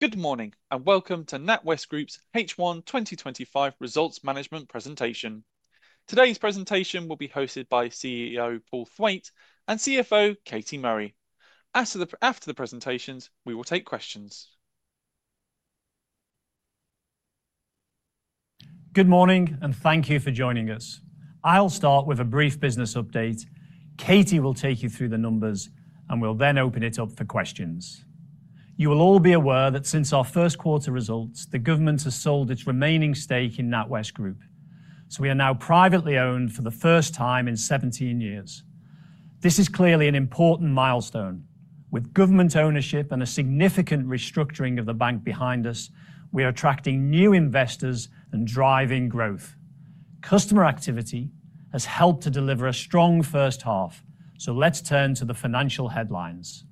Good morning, and welcome to NatWest Group's H1 2025 Results Management Presentation. Today's presentation will be hosted by CEO Paul Thwaite and CFO Katie Murray. After the presentations, we will take questions. Good morning and thank you for joining us. I'll start with a brief business update. Katie will take you through the numbers, and we'll then open it up for questions. You will all be aware that since our first quarter results, the government has sold its remaining stake in NatWest Group, so we are now privately owned for the first time in 17 years. This is clearly an important milestone. With government ownership and a significant restructuring of the bank behind us, we are attracting new investors and driving growth. Customer activity has helped to deliver a strong first half, so let's turn to the financial headlines.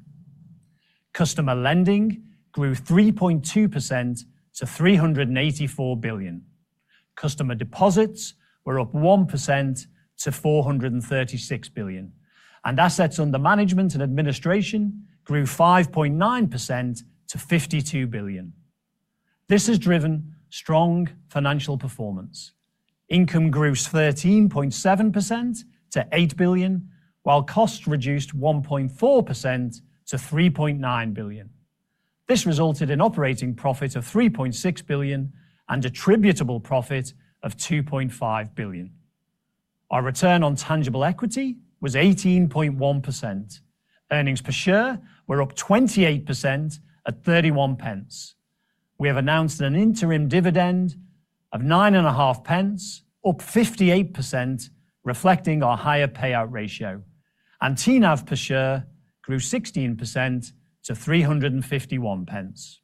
Customer lending grew 3.2% to 384 billion. Customer deposits were up 1% to 436 billion, and assets under management and administration grew 5.9% to 52 billion. This has driven strong financial performance. Income grew 13.7% to 8 billion, while costs reduced 1.4% to 3.9 billion. This resulted in operating profit of 3.6 billion and attributable profit of 2.5 billion. Our return on tangible equity was 18.1%. Earnings per share were up 28% at 31 pence. We have announced an interim dividend of 9.5 pence, up 58%, reflecting our higher payout ratio. And TNAV per share grew 16% to 351 pence.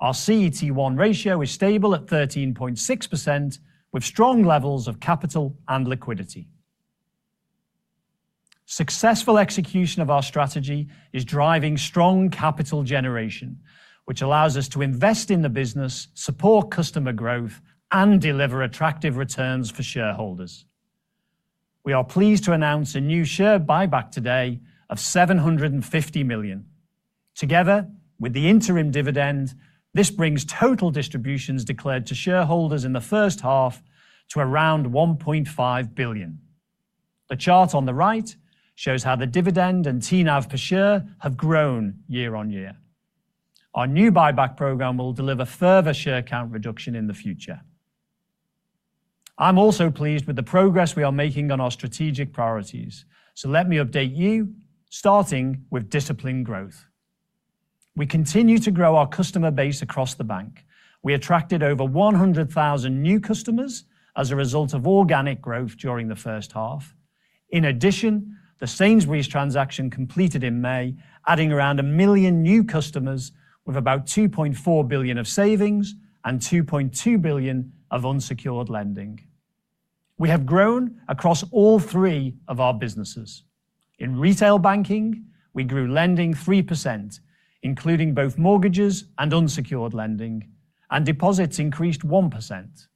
Our CET1 ratio is stable at 13.6%, with strong levels of capital and liquidity. Successful execution of our strategy is driving strong capital generation, which allows us to invest in the business, support customer growth, and deliver attractive returns for shareholders. We are pleased to announce a new share buyback today of 750 million. Together with the interim dividend, this brings total distributions declared to shareholders in the first half to around 1.5 billion. The chart on the right shows how the dividend and TNAV per share have grown year on year. Our new buyback program will deliver further share count reduction in the future. I'm also pleased with the progress we are making on our strategic priorities, so let me update you, starting with disciplined growth. We continue to grow our customer base across the bank. We attracted over 100,000 new customers as a result of organic growth during the first half. In addition, the Sainsbury’s transaction completed in May, adding around 1 million new customers, with about 2.4 billion of savings and 2.2 billion of unsecured lending. We have grown across all three of our businesses. In retail banking, we grew lending 3%, including both mortgages and unsecured lending, and deposits increased 1%.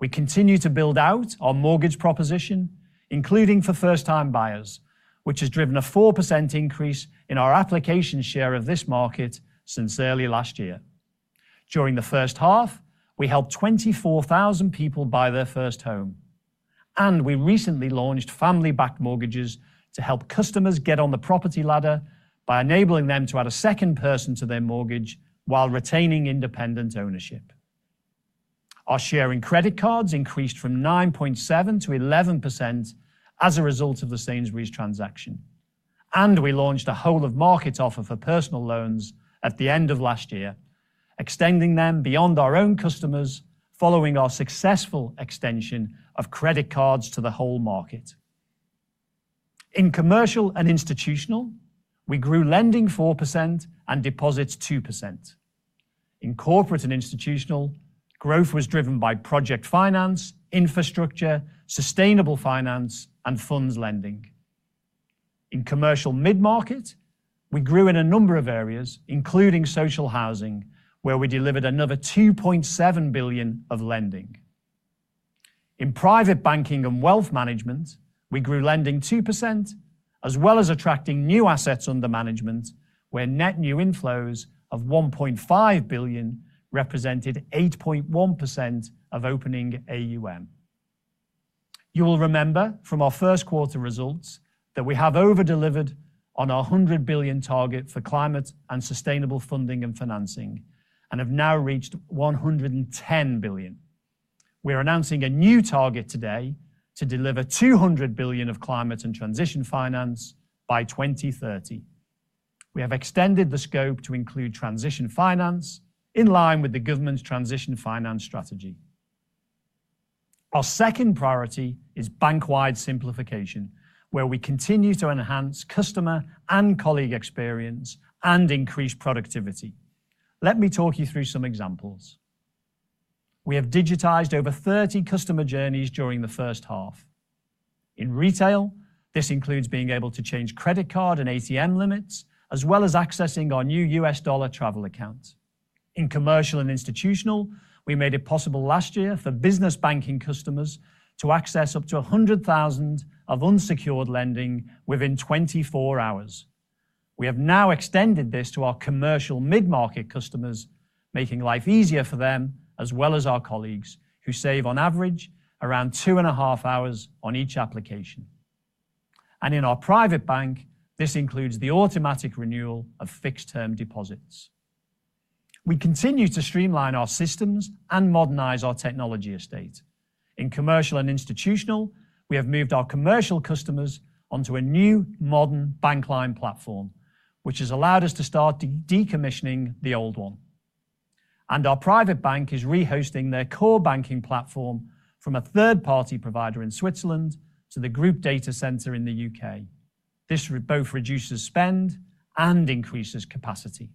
We continue to build out our mortgage proposition, including for first-time buyers, which has driven a 4% increase in our application share of this market since early last year. During the first half, we helped 24,000 people buy their first home. We recently launched family-backed mortgages to help customers get on the property ladder by enabling them to add a second person to their mortgage while retaining independent ownership. Our share in credit cards increased from 9.7% to 11% as a result of the Sainsbury’s transaction. We launched a whole-of-market offer for personal loans at the end of last year, extending them beyond our own customers, following our successful extension of credit cards to the whole market. In commercial and institutional, we grew lending 4% and deposits 2%. In corporate and institutional, growth was driven by project finance, infrastructure, sustainable finance, and funds lending. In commercial mid-market, we grew in a number of areas, including social housing, where we delivered another 2.7 billion of lending. In private banking and wealth management, we grew lending 2%, as well as attracting new assets under management, where net new inflows of 1.5 billion represented 8.1% of opening AUM. You will remember from our first quarter results that we have over-delivered on our 100 billion target for climate and sustainable funding and financing, and have now reached 110 billion. We are announcing a new target today to deliver 200 billion of climate and transition finance by 2030. We have extended the scope to include transition finance in line with the government's transition finance strategy. Our second priority is bank-wide simplification, where we continue to enhance customer and colleague experience and increase productivity. Let me talk you through some examples. We have digitized over 30 customer journeys during the first half. In retail, this includes being able to change credit card and ATM limits, as well as accessing our new US Dollar Travel Account. In commercial and institutional, we made it possible last year for business banking customers to access up to 100,000 of unsecured lending within 24 hours. We have now extended this to our commercial mid-market customers, making life easier for them, as well as our colleagues, who save on average around two and a half hours on each application. In our private bank, this includes the automatic renewal of fixed-term deposits. We continue to streamline our systems and modernize our technology estate. In commercial and institutional, we have moved our commercial customers onto a new, modern Bankline Platform, which has allowed us to start decommissioning the old one. Our private bank is rehosting their core banking platform from a third-party provider in Switzerland to the group data center in the U.K. This both reduces spend and increases capacity.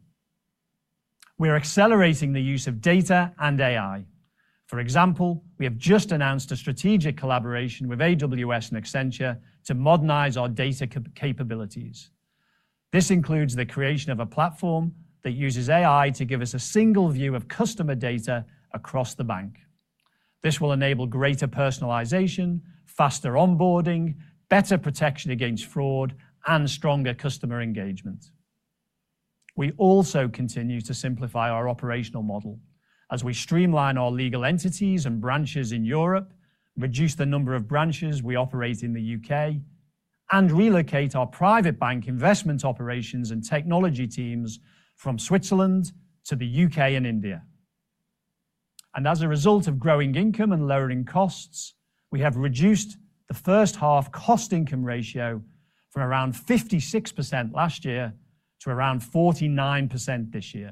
We are accelerating the use of data and AI. For example, we have just announced a strategic collaboration with Amazon Web Services and Accenture to modernize our data capabilities. This includes the creation of a platform that uses AI to give us a single view of customer data across the bank. This will enable greater personalization, faster onboarding, better protection against fraud, and stronger customer engagement. We also continue to simplify our operational model as we streamline our legal entities and branches in Europe, reduce the number of branches we operate in the U.K., and relocate our private bank investment operations and technology teams from Switzerland to the U.K. and India. As a result of growing income and lowering costs, we have reduced the first half cost-income ratio from around 56% last year to around 49% this year.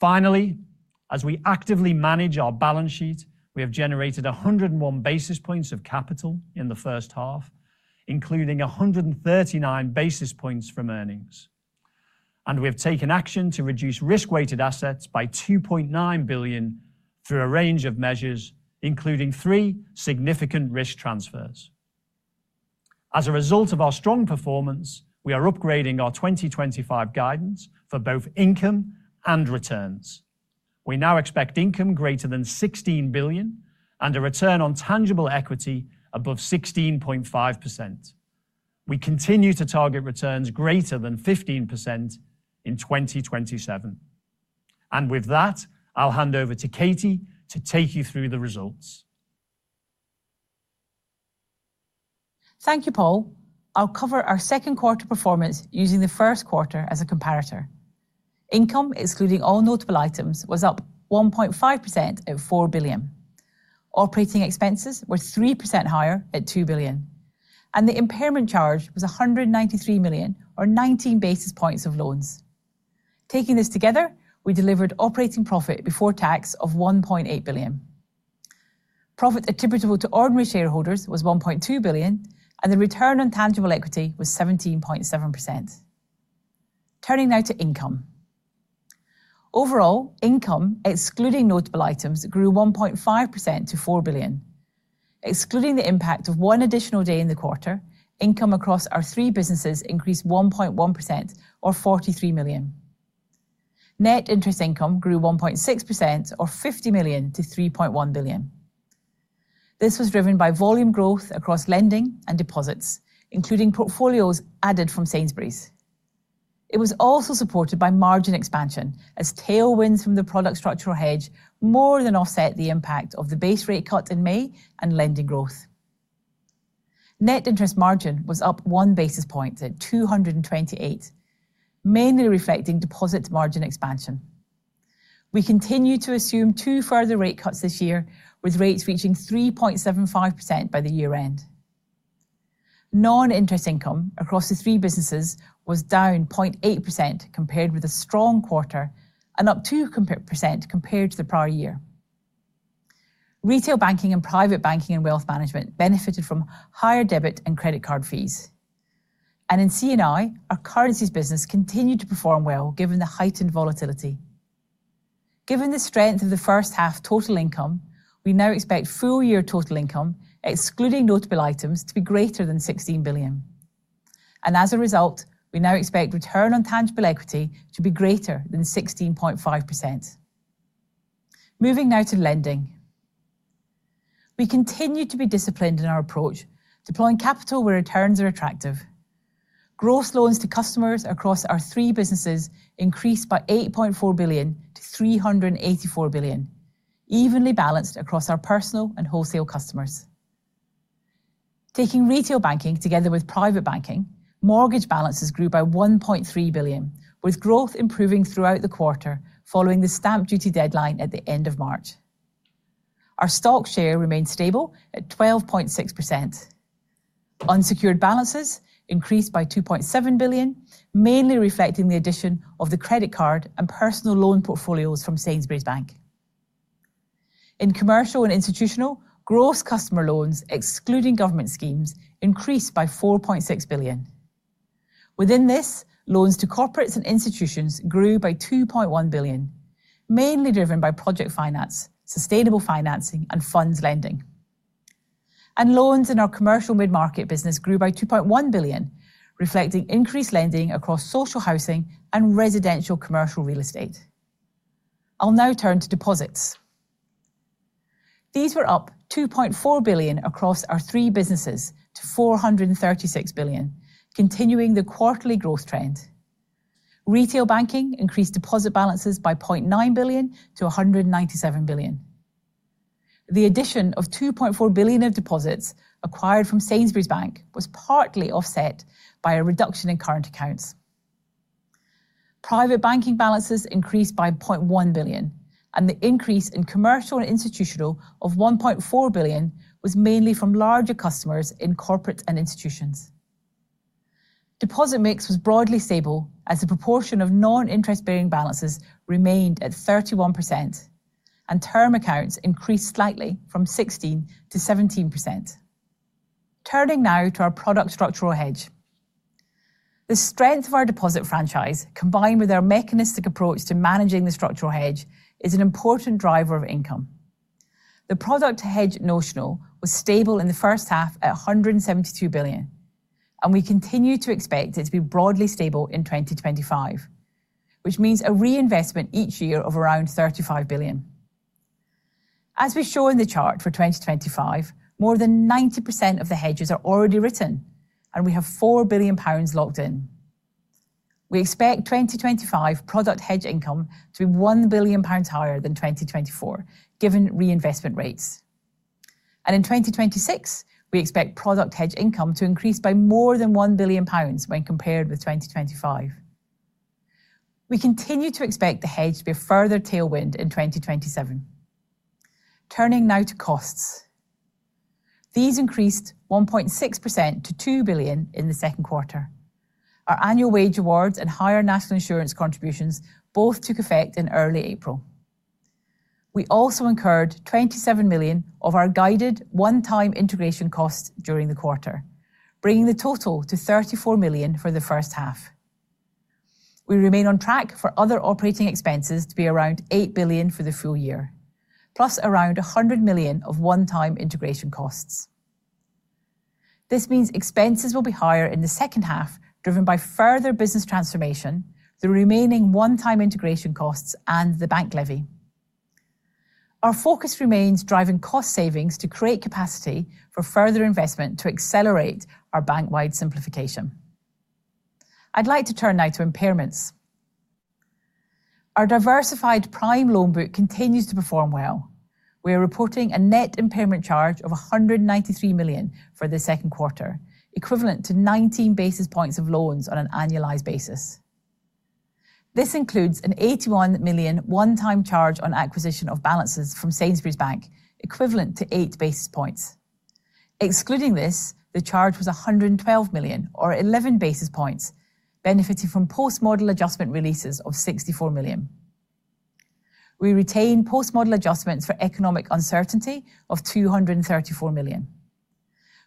Finally, as we actively manage our balance sheet, we have generated 101 basis points of capital in the first half, including 139 basis points from earnings. We have taken action to reduce risk-weighted assets by 2.9 billion through a range of measures, including three significant risk transfers. As a result of our strong performance, we are upgrading our 2025 guidance for both income and returns. We now expect income greater than 16 billion and a return on tangible equity above 16.5%. We continue to target returns greater than 15% in 2027. With that, I'll hand over to Katie to take you through the results. Thank you, Paul. I'll cover our second quarter performance using the first quarter as a comparator. Income, excluding all notable items, was up 1.5% at 4 billion. Operating expenses were 3% higher at 2 billion. The impairment charge was 193 million, or 19 basis points of loans. Taking this together, we delivered operating profit before tax of 1.8 billion. Profit attributable to ordinary shareholders was 1.2 billion, and the return on tangible equity was 17.7%. Turning now to income. Overall, income, excluding notable items, grew 1.5% to 4 billion. Excluding the impact of one additional day in the quarter, income across our three businesses increased 1.1%, or 43 million. Net interest income grew 1.6%, or 50 million, to 3.1 billion. This was driven by volume growth across lending and deposits, including portfolios added from Sainsbury’s Bank. It was also supported by margin expansion, as tailwinds from the product structural hedge more than offset the impact of the base rate cut in May and lending growth. Net interest margin was up one basis point at 228 basis points, mainly reflecting deposit margin expansion. We continue to assume two further rate cuts this year, with rates reaching 3.75% by the year-end. Non-interest income across the three businesses was down 0.8% compared with a strong quarter and up 2% compared to the prior year. Retail banking and private banking and wealth management benefited from higher debit and credit card fees. In C&I, our currencies business continued to perform well given the heightened volatility. Given the strength of the first half total income, we now expect full-year total income, excluding notable items, to be greater than 16 billion. As a result, we now expect return on tangible equity to be greater than 16.5%. Moving now to lending. We continue to be disciplined in our approach, deploying capital where returns are attractive. Gross loans to customers across our three businesses increased by 8.4 billion to 384 billion, evenly balanced across our personal and wholesale customers. Taking retail banking together with private banking, mortgage balances grew by 1.3 billion, with growth improving throughout the quarter following the stamp duty deadline at the end of March. Our stock share remained stable at 12.6%. Unsecured balances increased by 2.7 billion, mainly reflecting the addition of the credit card and personal loan portfolios from Sainsbury’s Bank. In commercial and institutional, gross customer loans, excluding government schemes, increased by 4.6 billion. Within this, loans to corporates and institutions grew by 2.1 billion, mainly driven by project finance, sustainable financing, and funds lending. Loans in our commercial mid-market business grew by 2.1 billion, reflecting increased lending across social housing and residential commercial real estate. I'll now turn to deposits. These were up 2.4 billion across our three businesses to 436 billion, continuing the quarterly growth trend. Retail banking increased deposit balances by 0.9 billion to 197 billion. The addition of 2.4 billion of deposits acquired from Sainsbury’s Bank was partly offset by a reduction in current accounts. Private banking balances increased by 0.1 billion, and the increase in commercial and institutional of 1.4 billion was mainly from larger customers in corporate and institutions. Deposit mix was broadly stable, as the proportion of non-interest-bearing balances remained at 31%. Term accounts increased slightly from 16% to 17%. Turning now to our product structural hedge. The strength of our deposit franchise, combined with our mechanistic approach to managing the structural hedge, is an important driver of income. The product hedge notional was stable in the first half at 172 billion, and we continue to expect it to be broadly stable in 2025, which means a reinvestment each year of around 35 billion. As we show in the chart for 2025, more than 90% of the hedges are already written, and we have 4 billion pounds locked in. We expect 2025 product hedge income to be 1 billion pounds higher than 2024, given reinvestment rates. In 2026, we expect product hedge income to increase by more than 1 billion pounds when compared with 2025. We continue to expect the hedge to be a further tailwind in 2027. Turning now to costs. These increased 1.6% to 2 billion in the second quarter. Our annual wage awards and higher national insurance contributions both took effect in early April. We also incurred 27 million of our guided one-time integration costs during the quarter, bringing the total to 34 million for the first half. We remain on track for other operating expenses to be around 8 billion for the full year, plus around 100 million of one-time integration costs. This means expenses will be higher in the second half, driven by further business transformation, the remaining one-time integration costs, and the bank levy. Our focus remains driving cost savings to create capacity for further investment to accelerate our bank-wide simplification. I'd like to turn now to impairments. Our diversified prime loan book continues to perform well. We are reporting a net impairment charge of 193 million for the second quarter, equivalent to 19 basis points of loans on an annualized basis. This includes a 81 million one-time charge on acquisition of balances from Sainsbury’s Bank, equivalent to 8 basis points. Excluding this, the charge was 112 million, or 11 basis points, benefiting from post-model adjustment releases of 64 million. We retain post-model adjustments for economic uncertainty of 234 million.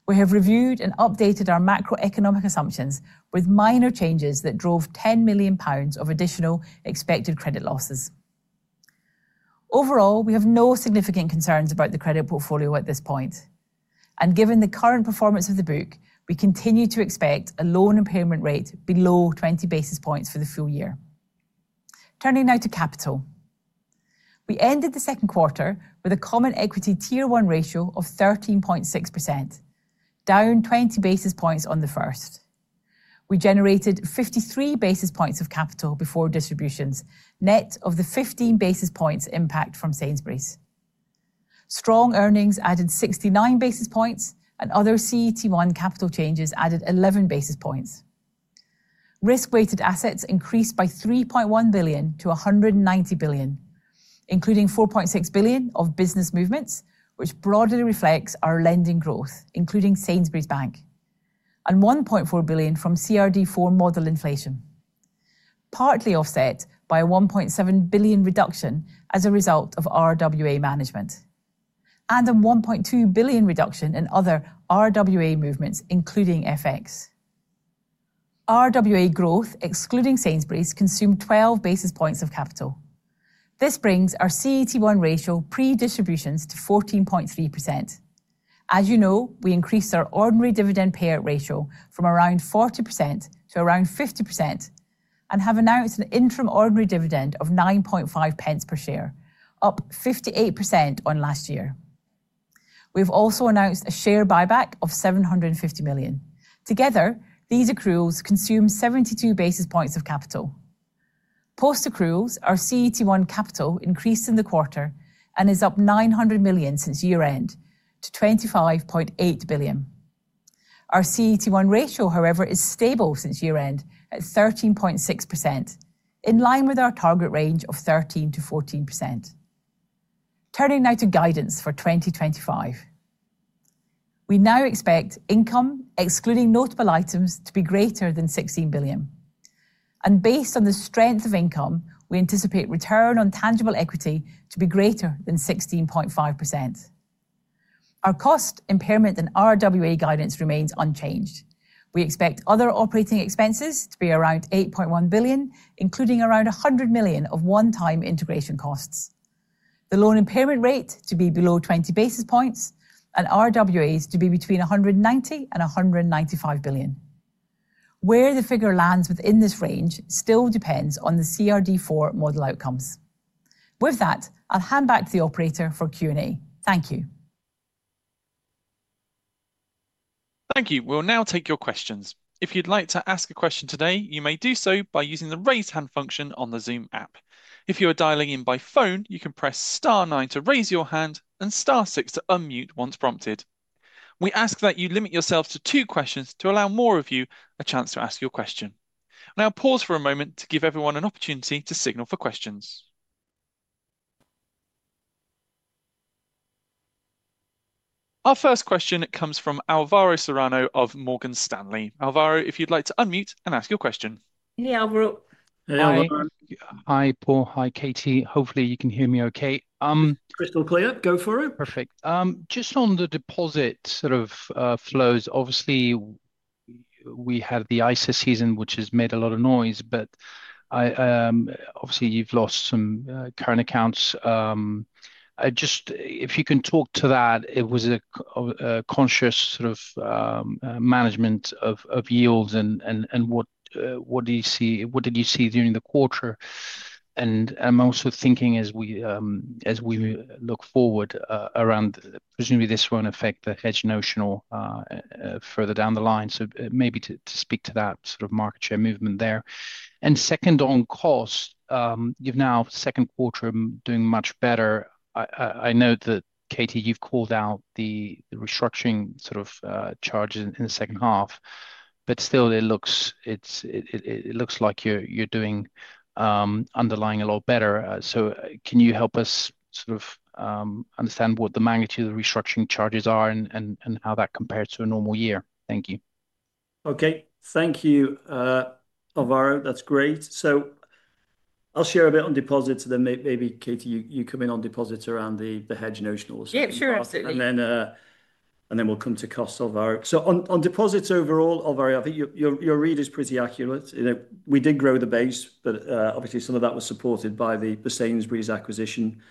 We have reviewed and updated our macroeconomic assumptions with minor changes that drove 10 million pounds of additional expected credit losses. Overall, we have no significant concerns about the credit portfolio at this point. Given the current performance of the book, we continue to expect a loan impairment rate below 20 basis points for the full year. Turning now to capital. We ended the second quarter with a common equity tier 1 ratio of 13.6%, down 20 basis points on the first. We generated 53 basis points of capital before distributions, net of the 15 basis points impact from Sainsbury’s. Strong earnings added 69 basis points, and other CET1 capital changes added 11 basis points. Risk-weighted assets increased by 3.1 billion to 190 billion, including 4.6 billion of business movements, which broadly reflects our lending growth, including Sainsbury’s Bank, and 1.4 billion from CRD4 model inflation. Partly offset by a 1.7 billion reduction as a result of RWA management. And a 1.2 billion reduction in other RWA movements, including FX. RWA growth, excluding Sainsbury’s, consumed 12 basis points of capital. This brings our CET1 ratio pre-distributions to 14.3%. As you know, we increased our ordinary dividend payout ratio from around 40% to around 50% and have announced an interim ordinary dividend of 0.095 per share, up 58% on last year. We have also announced a share buyback of 750 million. Together, these accruals consume 72 basis points of capital. Post-accruals, our CET1 capital increased in the quarter and is up 900 million since year-end to 25.8 billion. Our CET1 ratio, however, is stable since year-end at 13.6%, in line with our target range of 13%-14%. Turning now to guidance for 2025. We now expect income, excluding notable items, to be greater than 16 billion. And based on the strength of income, we anticipate return on tangible equity to be greater than 16.5%. Our cost impairment and RWA guidance remains unchanged. We expect other operating expenses to be around 8.1 billion, including around 100 million of one-time integration costs, the loan impairment rate to be below 20 basis points, and RWAs to be between 190 billion-195 billion. Where the figure lands within this range still depends on the CRD4 model outcomes. With that, I'll hand back to the operator for Q&A. Thank you. Thank you. We'll now take your questions. If you'd like to ask a question today, you may do so by using the raise hand function on the Zoom app. If you are dialing in by phone, you can press *9 to raise your hand and *6 to unmute once prompted. We ask that you limit yourselves to two questions to allow more of you a chance to ask your question. Now, pause for a moment to give everyone an opportunity to signal for questions. Our first question comes from Alvaro Serrano of Morgan Stanley. Alvaro, if you'd like to unmute and ask your question. Hey, Alvaro. Hi, Paul. Hi, Katie. Hopefully, you can hear me okay. Crystal clear. Go for it. Perfect. Just on the deposit sort of flows, obviously. We had the ISA season, which has made a lot of noise, but obviously, you've lost some current accounts. Just if you can talk to that, it was a conscious sort of management of yields and what do you see during the quarter. I'm also thinking as we look forward around presumably this won't affect the hedge notional further down the line. Maybe to speak to that sort of market share movement there. Second, on cost, you've now second quarter doing much better. I know that, Katie, you've called out the restructuring sort of charges in the second half, but still it looks like you're doing underlying a lot better. Can you help us sort of understand what the magnitude of the restructuring charges are and how that compares to a normal year? Thank you. Okay. Thank you. Alvaro, that's great. I'll share a bit on deposits. Then maybe, Katie, you come in on deposits around the hedge notional. Yeah, sure. Absolutely. Then we'll come to cost, Alvaro. On deposits overall, Alvaro, I think your read is pretty accurate. We did grow the base, but obviously some of that was supported by the Sainsbury's acquisition.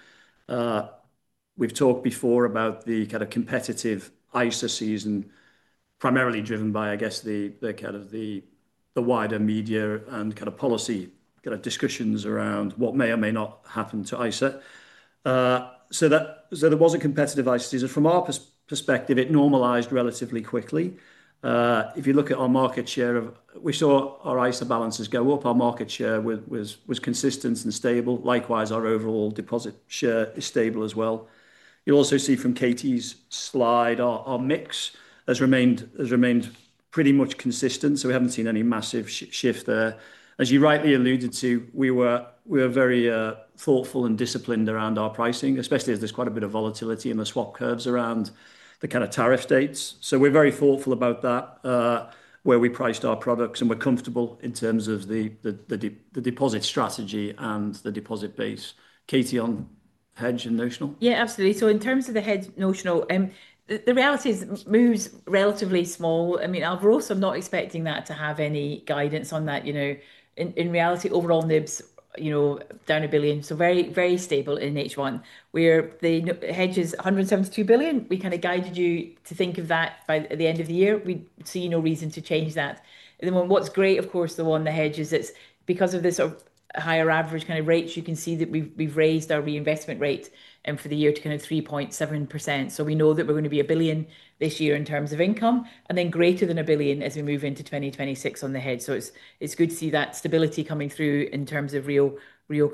We've talked before about the kind of competitive ISA season, primarily driven by, I guess, the kind of wider media and kind of policy discussions around what may or may not happen to ISA. There was a competitive ISA season. From our perspective, it normalized relatively quickly. If you look at our market share, we saw our ISA balances go up. Our market share was consistent and stable. Likewise, our overall deposit share is stable as well. You'll also see from Katie's slide, our mix has remained pretty much consistent. We haven't seen any massive shift there. As you rightly alluded to, we were very thoughtful and disciplined around our pricing, especially as there's quite a bit of volatility in the swap curves around the kind of tariff dates. We were very thoughtful about that, where we priced our products, and we're comfortable in terms of the deposit strategy and the deposit base. Katie, on hedge and notional? Yeah, absolutely. In terms of the hedge notional, the reality is moves relatively small. I mean, Alvaro, I'm not expecting that to have any guidance on that. In reality, overall NIBS down $1 billion. Very stable in H1. Where the hedge is 172 billion, we kind of guided you to think of that by the end of the year. We see no reason to change that. What's great, of course, the one the hedge is, it's because of this sort of higher average kind of rates, you can see that we've raised our reinvestment rate for the year to kind of 3.7%. We know that we're going to be 1 billion this year in terms of income, and then greater than 1 billion as we move into 2026 on the hedge. It's good to see that stability coming through in terms of real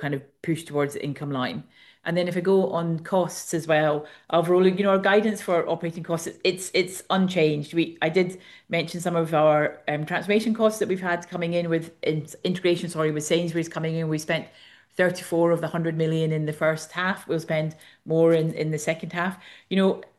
kind of push towards the income line. If I go on costs as well, Alvaro, our guidance for operating costs, it's unchanged. I did mention some of our transformation costs that we've had coming in with integration, sorry, with Sainsbury’s coming in. We spent 34 million of the 100 million in the first half. We'll spend more in the second half.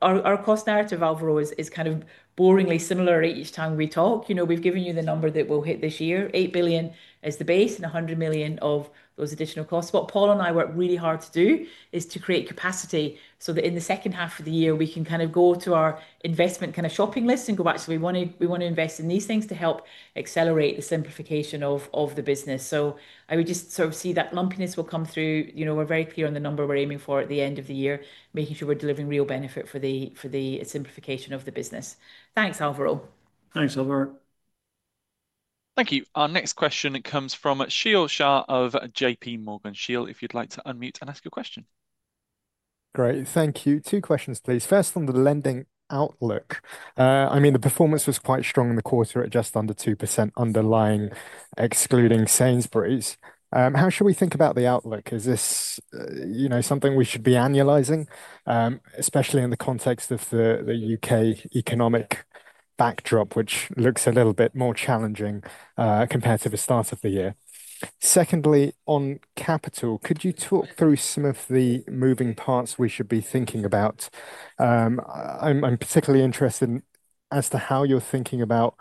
Our cost narrative, Alvaro, is kind of boringly similar each time we talk. We've given you the number that we'll hit this year. 8 billion is the base and 100 million of those additional costs. What Paul and I work really hard to do is to create capacity so that in the second half of the year, we can kind of go to our investment kind of shopping list and go back. We want to invest in these things to help accelerate the simplification of the business. I would just sort of see that lumpiness will come through. We're very clear on the number we're aiming for at the end of the year, making sure we're delivering real benefit for the simplification of the business. Thanks, Alvaro. Thanks, Alvaro. Thank you. Our next question, it comes from Sheel Shah of J.P. Morgan. Sheel, if you'd like to unmute and ask your question. Great. Thank you. Two questions, please. First, on the lending outlook. I mean, the performance was quite strong in the quarter at just under 2% underlying, excluding Sainsbury’s. How should we think about the outlook? Is this something we should be annualizing, especially in the context of the U.K. economic backdrop, which looks a little bit more challenging compared to the start of the year? Secondly, on capital, could you talk through some of the moving parts we should be thinking about? I’m particularly interested as to how you’re thinking about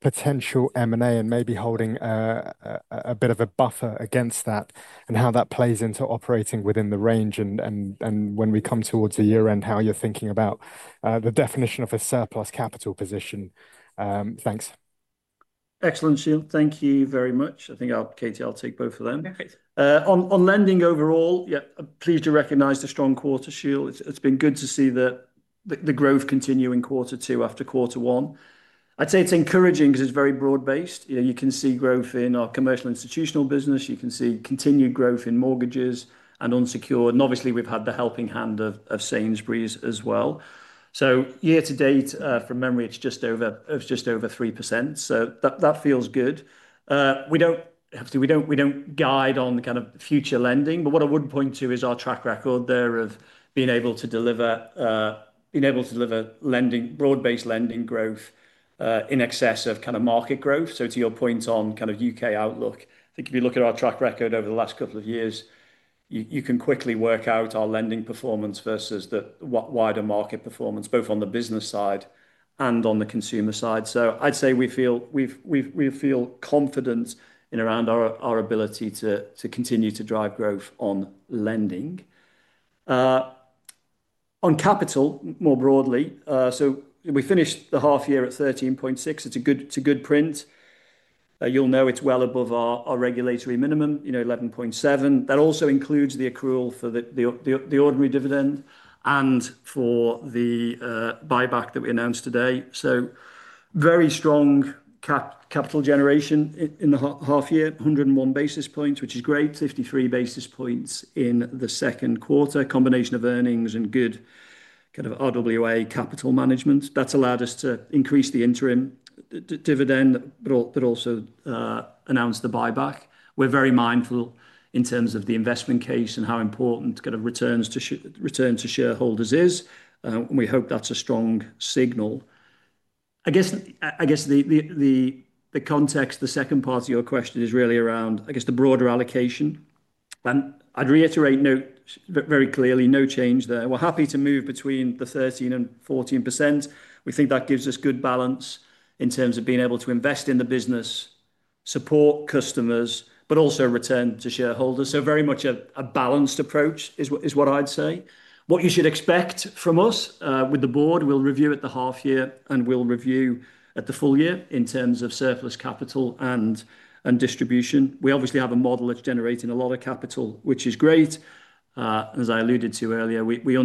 potential M&A and maybe holding a bit of a buffer against that and how that plays into operating within the range and when we come towards the year-end, how you’re thinking about the definition of a surplus capital position. Thanks. Excellent, Sheel. Thank you very much. I think, Katie, I'll take both of them. On lending overall, yeah, pleased to recognize the strong quarter, Sheel. It's been good to see the growth continue in quarter two after quarter one. I'd say it's encouraging because it's very broad-based. You can see growth in our commercial institutional business. You can see continued growth in mortgages and unsecured. Obviously, we've had the helping hand of Sainsbury’s as well. Year-to-date, from memory, it's just over 3%. That feels good. We don't guide on the kind of future lending, but what I would point to is our track record there of being able to deliver. Lending, broad-based lending growth in excess of kind of market growth. To your point on kind of U.K. outlook, I think if you look at our track record over the last couple of years, you can quickly work out our lending performance versus the wider market performance, both on the business side and on the consumer side. I'd say we feel confident around our ability to continue to drive growth on lending. On capital, more broadly, we finished the half year at 13.6. It's a good print. You'll know it's well above our regulatory minimum, 11.7. That also includes the accrual for the ordinary dividend and for the buyback that we announced today. Very strong capital generation in the half year, 101 basis points, which is great. 53 basis points in the second quarter, combination of earnings and good kind of RWA capital management. That's allowed us to increase the interim dividend, but also announce the buyback. We're very mindful in terms of the investment case and how important kind of returns to shareholders is. We hope that's a strong signal. The context, the second part of your question is really around, I guess, the broader allocation. I'd reiterate very clearly, no change there. We're happy to move between the 13%-14%. We think that gives us good balance in terms of being able to invest in the business, support customers, but also return to shareholders. Very much a balanced approach is what I'd say. What you should expect from us with the board, we'll review at the half year and we'll review at the full year in terms of surplus capital and distribution. We obviously have a model that's generating a lot of capital, which is great. As I alluded to earlier, we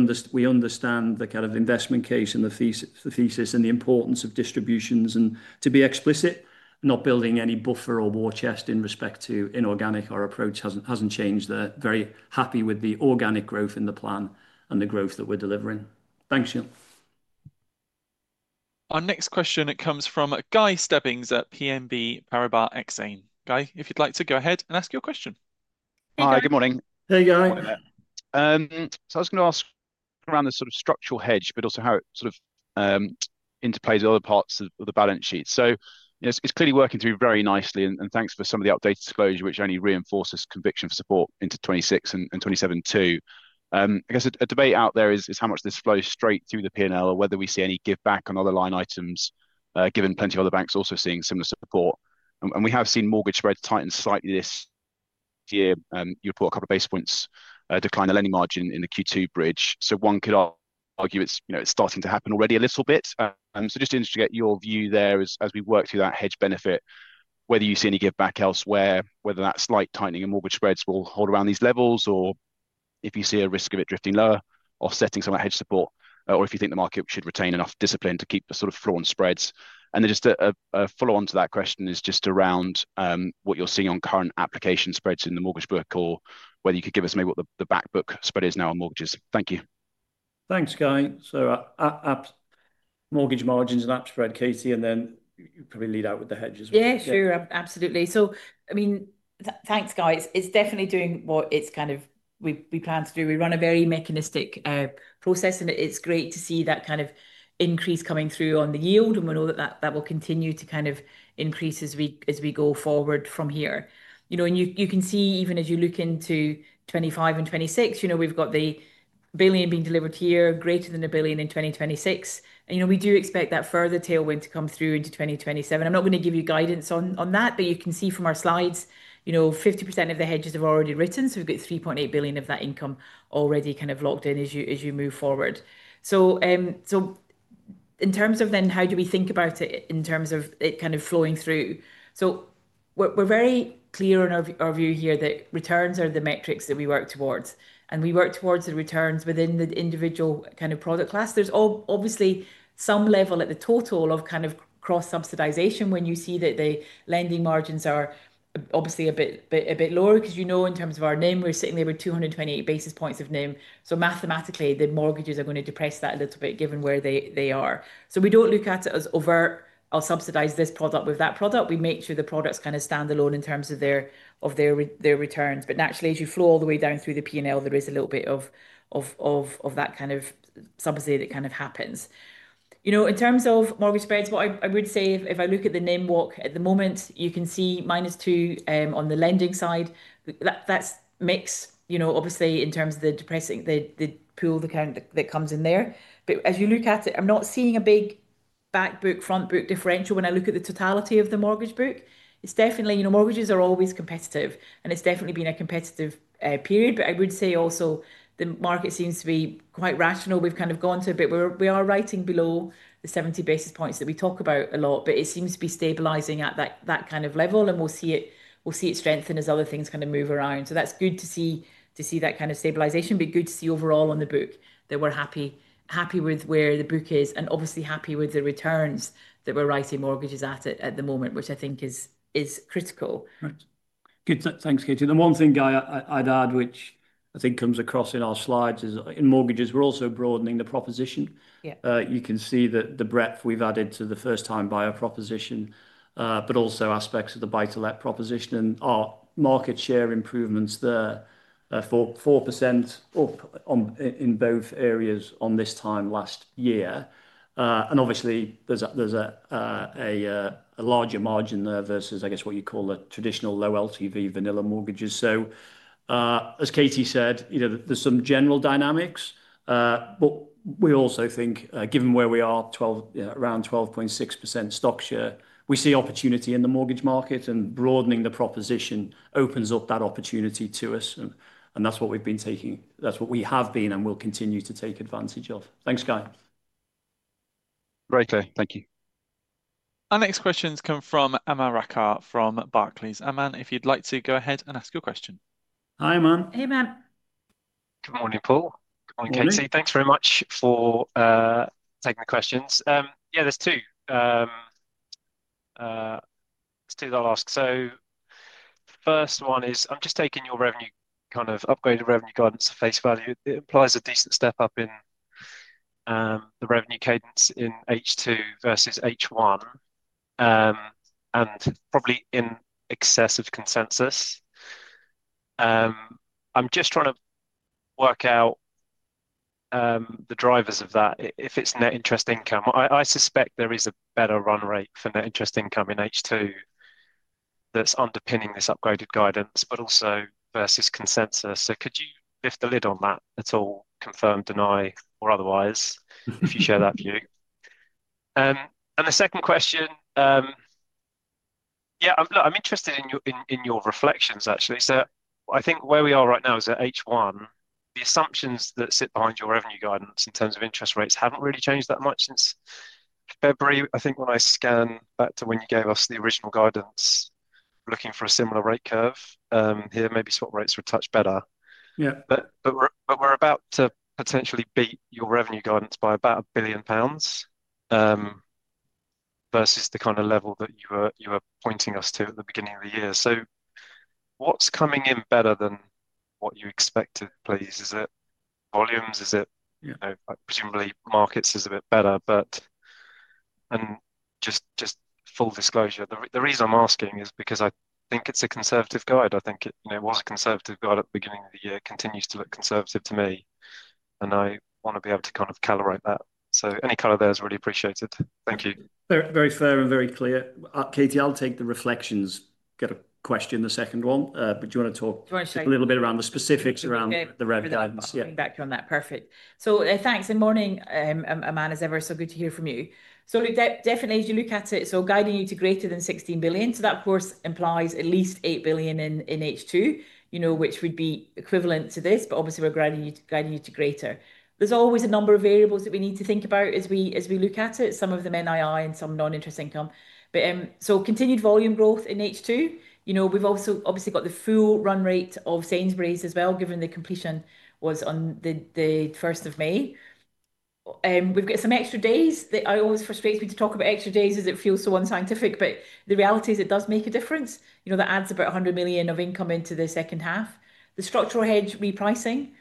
understand the kind of investment case and the thesis and the importance of distributions. To be explicit, not building any buffer or war chest in respect to inorganic, our approach hasn't changed there. Very happy with the organic growth in the plan and the growth that we're delivering. Thanks, Sheel. Our next question, it comes from Guy Stebbings at BNP Paribas. Guy, if you'd like to go ahead and ask your question. Hi, good morning. Hey, Guy. I was going to ask around the sort of structural hedge, but also how it sort of interplays with other parts of the balance sheet. It is clearly working through very nicely, and thanks for some of the updated disclosure, which only reinforces conviction for support into 2026 and 2027. I guess a debate out there is how much this flows straight through the P&L or whether we see any give back on other line items, given plenty of other banks also seeing similar support. We have seen mortgage spreads tighten slightly this year. You report a couple of basis points decline in the lending margin in the Q2 bridge. One could argue it is starting to happen already a little bit. Just to get your view there as we work through that hedge benefit, whether you see any give back elsewhere, whether that slight tightening in mortgage spreads will hold around these levels, or if you see a risk of it drifting lower, offsetting some of that hedge support, or if you think the market should retain enough discipline to keep the sort of floor in spreads. A follow-on to that question is just around what you are seeing on current application spreads in the mortgage book or whether you could give us maybe what the back book spread is now on mortgages. Thank you. Thanks, Guy. Mortgage margins and up spread, Katie, and then you probably lead out with the hedges. Yeah, sure. Absolutely. I mean, thanks, Guy. It is definitely doing what it is kind of we plan to do. We run a very mechanistic process, and it is great to see that kind of increase coming through on the yield. We know that that will continue to kind of increase as we go forward from here. You can see even as you look into 2025 and 2026, we have got the billion being delivered here, greater than a billion in 2026. We do expect that further tailwind to come through into 2027. I am not going to give you guidance on that, but you can see from our slides, 50% of the hedges have already written. We have got 3.8 billion of that income already kind of locked in as you move forward. In terms of then how do we think about it in terms of it kind of flowing through. We are very clear in our view here that returns are the metrics that we work towards. We work towards the returns within the individual kind of product class. There is obviously some level at the total of kind of cross-subsidization when you see that the lending margins are obviously a bit lower because you know in terms of our NIM, we are sitting there with 228 basis points of NIM. Mathematically, the mortgages are going to depress that a little bit given where they are. We do not look at it as overt, I will subsidize this product with that product. We make sure the products kind of standalone in terms of their returns. Naturally, as you flow all the way down through the P&L, there is a little bit of that kind of subsidy that kind of happens. In terms of mortgage spreads, what I would say, if I look at the NIM walk at the moment, you can see minus two on the lending side. That is mixed, obviously, in terms of the pool that comes in there. As you look at it, I am not seeing a big back book, front book differential when I look at the totality of the mortgage book. It is definitely, mortgages are always competitive, and it has definitely been a competitive period. I would say also the market seems to be quite rational. We have kind of gone to a bit where we are writing below the 70 basis points that we talk about a lot, but it seems to be stabilizing at that kind of level, and we will see it strengthen as other things kind of move around. It is good to see that kind of stabilization, but good to see overall on the book that we are happy with where the book is and obviously happy with the returns that we are writing mortgages at at the moment, which I think is critical. Good. Thanks, Katie. The one thing, Guy, I'd add, which I think comes across in our slides, is in mortgages, we're also broadening the proposition. You can see the breadth we've added to the first-time buyer proposition. You can also see aspects of the buy-to-let proposition and our market share improvements there. 4% up in both areas on this time last year. Obviously, there's a larger margin there versus, I guess, what you call the traditional low LTV vanilla mortgages. As Katie said, there's some general dynamics. We also think, given where we are, around 12.6% stock share, we see opportunity in the mortgage market, and broadening the proposition opens up that opportunity to us. That's what we've been taking, that's what we have been and will continue to take advantage of. Thanks, Guy. Great, thanks. Thank you. Our next question's come from Aman Rakkar from Barclays. Aman, if you'd like to go ahead and ask your question. Hi, Aman. Hey, Aman. Good morning, Paul. Good morning, Katie. Thanks very much for taking the questions. Yeah, there's two. There's two that I'll ask. The first one is, I'm just taking your revenue, kind of upgraded revenue guidance, at face value. It implies a decent step up in the revenue cadence in H2 versus H1, and probably in excess of consensus. I'm just trying to work out the drivers of that, if it's net interest income. I suspect there is a better run rate for net interest income in H2 that's underpinning this upgraded guidance, but also versus consensus. Could you lift the lid on that at all, confirm, deny, or otherwise if you share that view? The second question, yeah, I'm interested in your reflections, actually. I think where we are right now is at H1. The assumptions that sit behind your revenue guidance in terms of interest rates haven't really changed that much since February, I think, when I scanned back to when you gave us the original guidance, looking for a similar rate curve here. Maybe swap rates were touched better. We're about to potentially beat your revenue guidance by about 1 billion pounds versus the kind of level that you were pointing us to at the beginning of the year. What's coming in better than what you expected, please? Is it volumes? Presumably markets is a bit better, but, and just full disclosure, the reason I'm asking is because I think it's a conservative guide. I think it was a conservative guide at the beginning of the year, continues to look conservative to me, and I want to be able to kind of calibrate that. Any color there is really appreciated. Thank you. Very fair and very clear. Katie, I'll take the reflections. Got a question, the second one. Do you want to talk a little bit around the specifics around the rev guidance? Yeah, coming back on that. Perfect. Thanks. Good morning, Aman. As ever, so good to hear from you. Definitely, as you look at it, guiding you to greater than 16 billion. That, of course, implies at least 8 billion in H2, which would be equivalent to this, but obviously, we're guiding you to greater. There's always a number of variables that we need to think about as we look at it, some of them NII and some non-interest income. Continued volume growth in H2. We've also obviously got the full run rate of Sainsbury’s as well, given the completion was on the 1st of May. We've got some extra days. It always frustrates me to talk about extra days as it feels so unscientific, but the reality is it does make a difference. That adds about 100 million of income into the second half. The structural hedge repricing.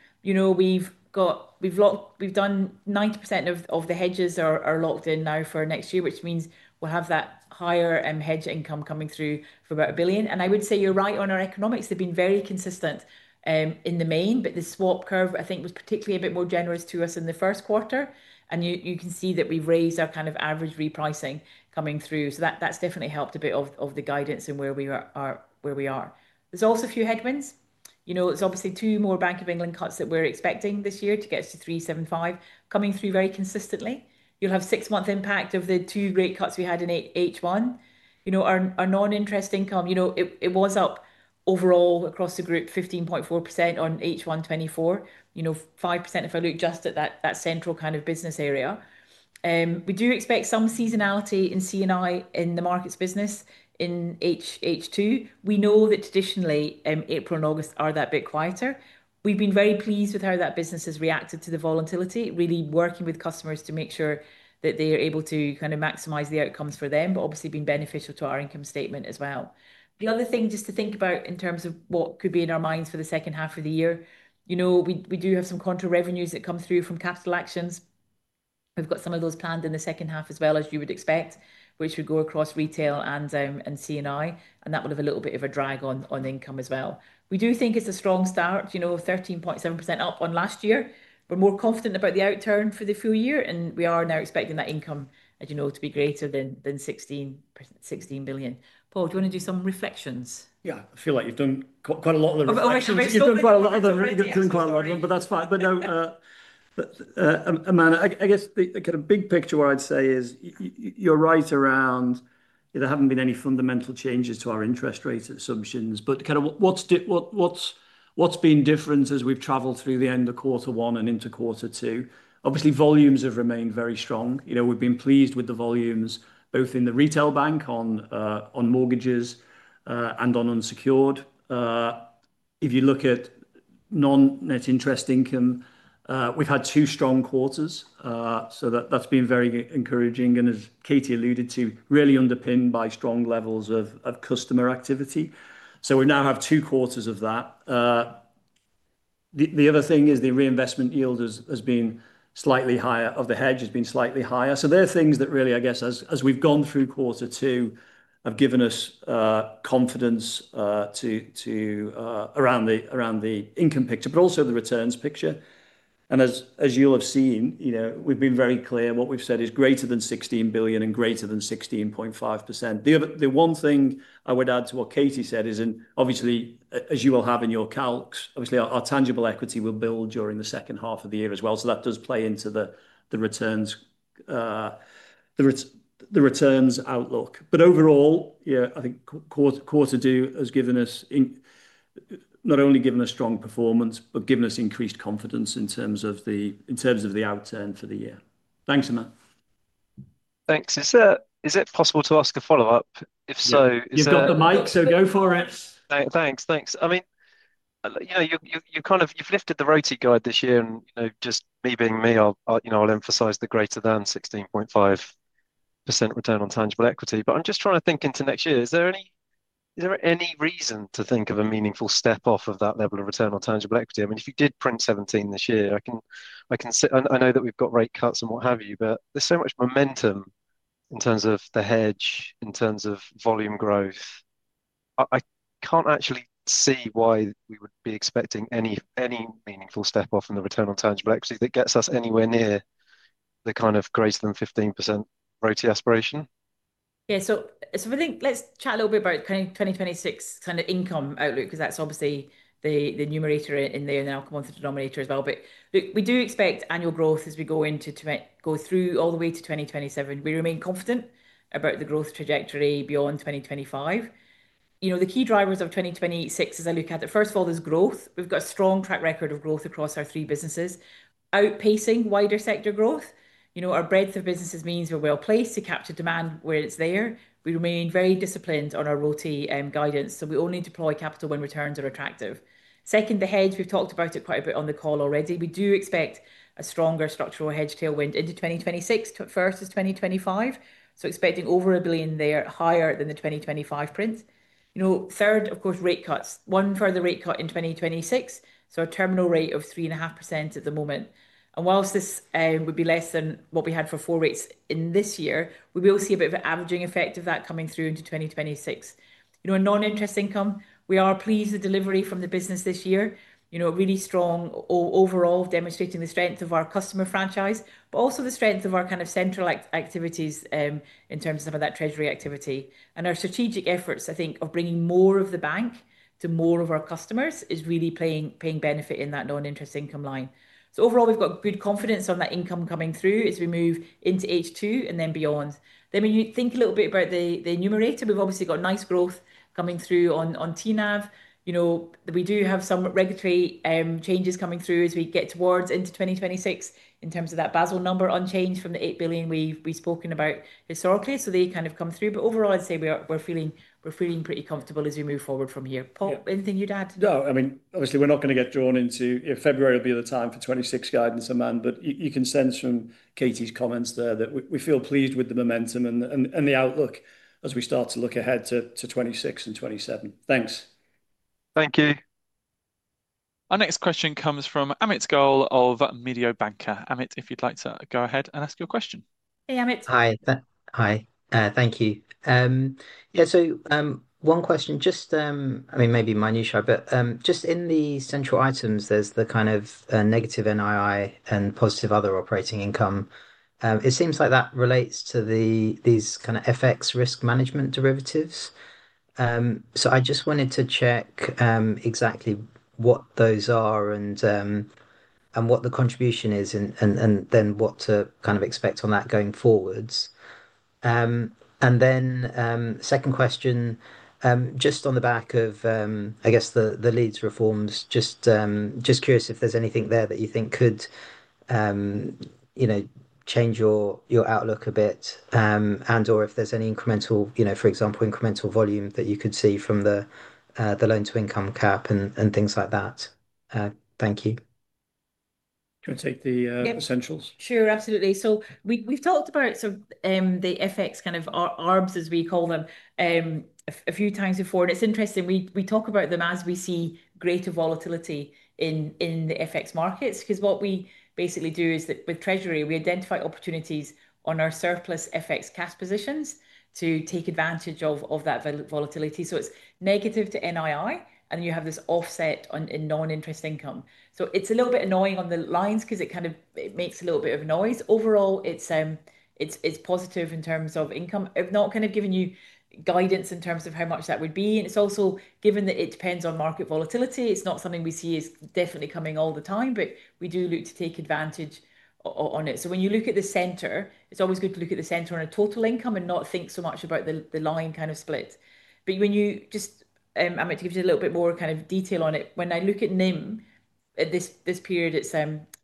We've done 90% of the hedges are locked in now for next year, which means we'll have that higher hedge income coming through for about 1 billion. I would say you're right on our economics. They've been very consistent in the main, but the swap curve, I think, was particularly a bit more generous to us in the first quarter. You can see that we've raised our kind of average repricing coming through. That's definitely helped a bit of the guidance and where we are. There's also a few headwinds. There are obviously two more Bank of England cuts that we're expecting this year to get us to 3.75% coming through very consistently. You'll have six-month impact of the two rate cuts we had in H1. Our non-interest income, it was up overall across the group 15.4% on H1 2024. 5% if I look just at that central kind of business area. We do expect some seasonality in C&I in the markets business in H2. We know that traditionally, April and August are that bit quieter. We've been very pleased with how that business has reacted to the volatility, really working with customers to make sure that they are able to kind of maximize the outcomes for them, but obviously been beneficial to our income statement as well. The other thing just to think about in terms of what could be in our minds for the second half of the year. We do have some contra revenues that come through from capital actions. We've got some of those planned in the second half as well, as you would expect, which would go across retail and C&I. That will have a little bit of a drag on income as well. We do think it's a strong start, 13.7% up on last year. We're more confident about the outturn for the full year, and we are now expecting that income to be greater than 16 billion. Paul, do you want to do some reflections? Yeah, I feel like you've done quite a lot of the reflections, but that's fine. No, Aman, I guess the kind of big picture I'd say is you're right around there haven't been any fundamental changes to our interest rate assumptions, but kind of what's been different as we've traveled through the end of quarter one and into quarter two. Obviously, volumes have remained very strong. We've been pleased with the volumes, both in the retail bank on mortgages and on unsecured. If you look at non-net interest income, we've had two strong quarters. That's been very encouraging, and as Katie alluded to, really underpinned by strong levels of customer activity. We now have two quarters of that. The other thing is the reinvestment yield has been slightly higher, the hedge has been slightly higher. There are things that really, I guess, as we've gone through quarter two, have given us confidence around the income picture, but also the returns picture. As you'll have seen, we've been very clear what we've said is greater than 16 billion and greater than 16.5%. The one thing I would add to what Katie said is, and obviously, as you will have in your calcs, our tangible equity will build during the second half of the year as well. That does play into the returns outlook. Overall, I think quarter two has not only given us strong performance, but given us increased confidence in terms of the outturn for the year. Thanks, Aman. Thanks. Is it possible to ask a follow-up? If so, is there? You've got the mic, so go for it. Thanks. Thanks. I mean, you've kind of lifted the ROTE guide this year, and just me being me, I'll emphasize the greater than 16.5% return on tangible equity. I am just trying to think into next year. Is there any reason to think of a meaningful step off of that level of return on tangible equity? I mean, if you did print 17% this year, I can. I know that we've got rate cuts and what have you, but there's so much momentum in terms of the hedge, in terms of volume growth. I can't actually see why we would be expecting any meaningful step off in the return on tangible equity that gets us anywhere near the kind of greater than 15% ROTE aspiration. Yeah. I think let's chat a little bit about kind of 2026 kind of income outlook because that's obviously the numerator in there and the outcome of the denominator as well. We do expect annual growth as we go through all the way to 2027. We remain confident about the growth trajectory beyond 2025. The key drivers of 2026, as I look at it, first of all, there's growth. We've got a strong track record of growth across our three businesses, outpacing wider sector growth. Our breadth of businesses means we're well placed to capture demand where it's there. We remain very disciplined on our roti guidance, so we only deploy capital when returns are attractive. Second, the hedge, we've talked about it quite a bit on the call already. We do expect a stronger structural hedge tailwind into 2026, to at first is 2025. Expecting over 1 billion there, higher than the 2025 print. Third, of course, rate cuts. One further rate cut in 2026. A terminal rate of 3.5% at the moment. Whilst this would be less than what we had for four rates in this year, we will see a bit of an averaging effect of that coming through into 2026. Non-interest income, we are pleased with delivery from the business this year. Really strong overall, demonstrating the strength of our customer franchise, but also the strength of our kind of central activities in terms of that treasury activity. Our strategic efforts, I think, of bringing more of the bank to more of our customers is really paying benefit in that non-interest income line. Overall, we've got good confidence on that income coming through as we move into H2 and then beyond. When you think a little bit about the numerator, we've obviously got nice growth coming through on TNAV. We do have some regulatory changes coming through as we get towards into 2026 in terms of that Basel number unchanged from the 8 billion we've spoken about historically. They kind of come through. Overall, I'd say we're feeling pretty comfortable as we move forward from here. Paul, anything you'd add? No, I mean, obviously, we're not going to get drawn into February will be the time for 2026 guidance, Aman, but you can sense from Katie's comments there that we feel pleased with the momentum and the outlook as we start to look ahead to 2026 and 2027. Thanks. Thank you. Our next question comes from Amit Goel of Mediobanca. Amit, if you'd like to go ahead and ask your question. Hey, Amit. Hi. Thank you. Yeah, so one question, just, I mean, maybe minutia, but just in the central items, there's the kind of negative NII and positive other operating income. It seems like that relates to these kind of FX risk management derivatives. I just wanted to check exactly what those are and what the contribution is, and then what to kind of expect on that going forwards. Second question, just on the back of, I guess, the leads reforms, just curious if there's anything there that you think could change your outlook a bit and/or if there's any incremental, for example, incremental volume that you could see from the loan-to-income cap and things like that. Thank you. Can I take the essentials? Sure, absolutely. We've talked about the FX kind of arbs, as we call them, a few times before. It's interesting, we talk about them as we see greater volatility in the FX markets because what we basically do is that with treasury, we identify opportunities on our surplus FX cash positions to take advantage of that volatility. It's negative to NII, and then you have this offset in non-interest income. It's a little bit annoying on the lines because it kind of makes a little bit of noise. Overall, it's positive in terms of income, not kind of giving you guidance in terms of how much that would be. It's also given that it depends on market volatility. It's not something we see is definitely coming all the time, but we do look to take advantage on it. When you look at the center, it's always good to look at the center on a total income and not think so much about the line kind of split. I mean, to give you a little bit more kind of detail on it, when I look at NIM, this period,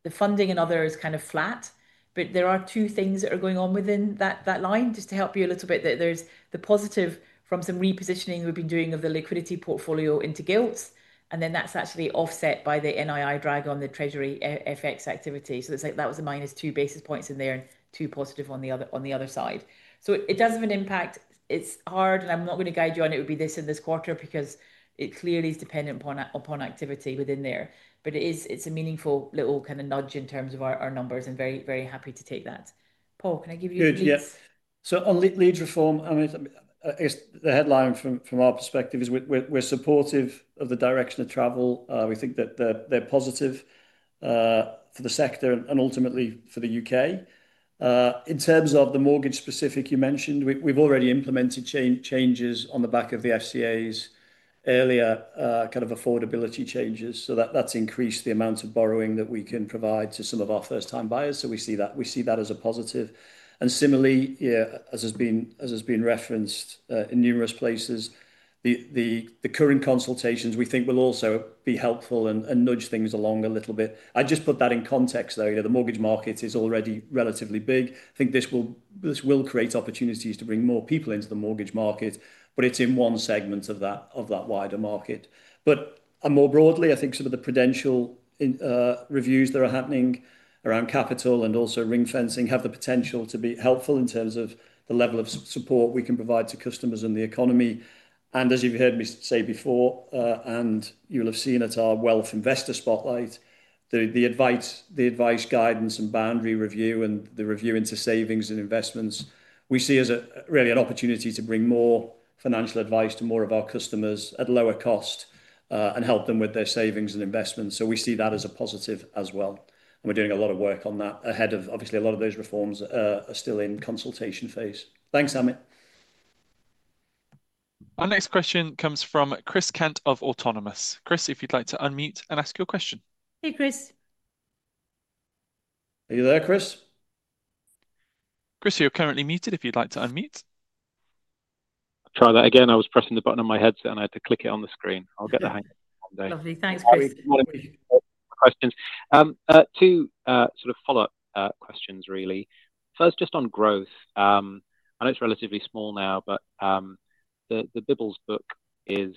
the funding and other is kind of flat, but there are two things that are going on within that line just to help you a little bit. There's the positive from some repositioning we've been doing of the liquidity portfolio into gilts. That's actually offset by the NII drag on the treasury FX activity. That was a minus two basis points in there and two positive on the other side. It does have an impact. It's hard, and I'm not going to guide you on it would be this in this quarter because it clearly is dependent upon activity within there. It's a meaningful little kind of nudge in terms of our numbers and very happy to take that. Paul, can I give you a good use? On lead reform, I mean, I guess the headline from our perspective is we're supportive of the direction of travel. We think that they're positive for the sector and ultimately for the U.K. In terms of the mortgage specific you mentioned, we've already implemented changes on the back of the FCA's earlier kind of affordability changes. That's increased the amount of borrowing that we can provide to some of our first-time buyers. We see that as a positive. Similarly, as has been referenced in numerous places, the current consultations we think will also be helpful and nudge things along a little bit. I just put that in context, though. The mortgage market is already relatively big. I think this will create opportunities to bring more people into the mortgage market, but it's in one segment of that wider market. More broadly, I think some of the prudential reviews that are happening around capital and also ring-fencing have the potential to be helpful in terms of the level of support we can provide to customers and the economy. As you've heard me say before, and you'll have seen at our Wealth Investor Spotlight, the advice, guidance, and boundary review, and the review into savings and investments, we see as really an opportunity to bring more financial advice to more of our customers at lower cost and help them with their savings and investments. We see that as a positive as well. We're doing a lot of work on that ahead of, obviously, a lot of those reforms are still in consultation phase. Thanks, Amit. Our next question comes from Chris Kent of Autonomous. Chris, if you'd like to unmute and ask your question. Hey, Chris. Are you there, Chris? Chris, you're currently muted if you'd like to unmute. Try that again. I was pressing the button on my headset and I had to click it on the screen. I'll get the hang of it one day. Lovely. Thanks, Chris. Two sort of follow-up questions, really. First, just on growth. I know it's relatively small now, but the Bibbles book is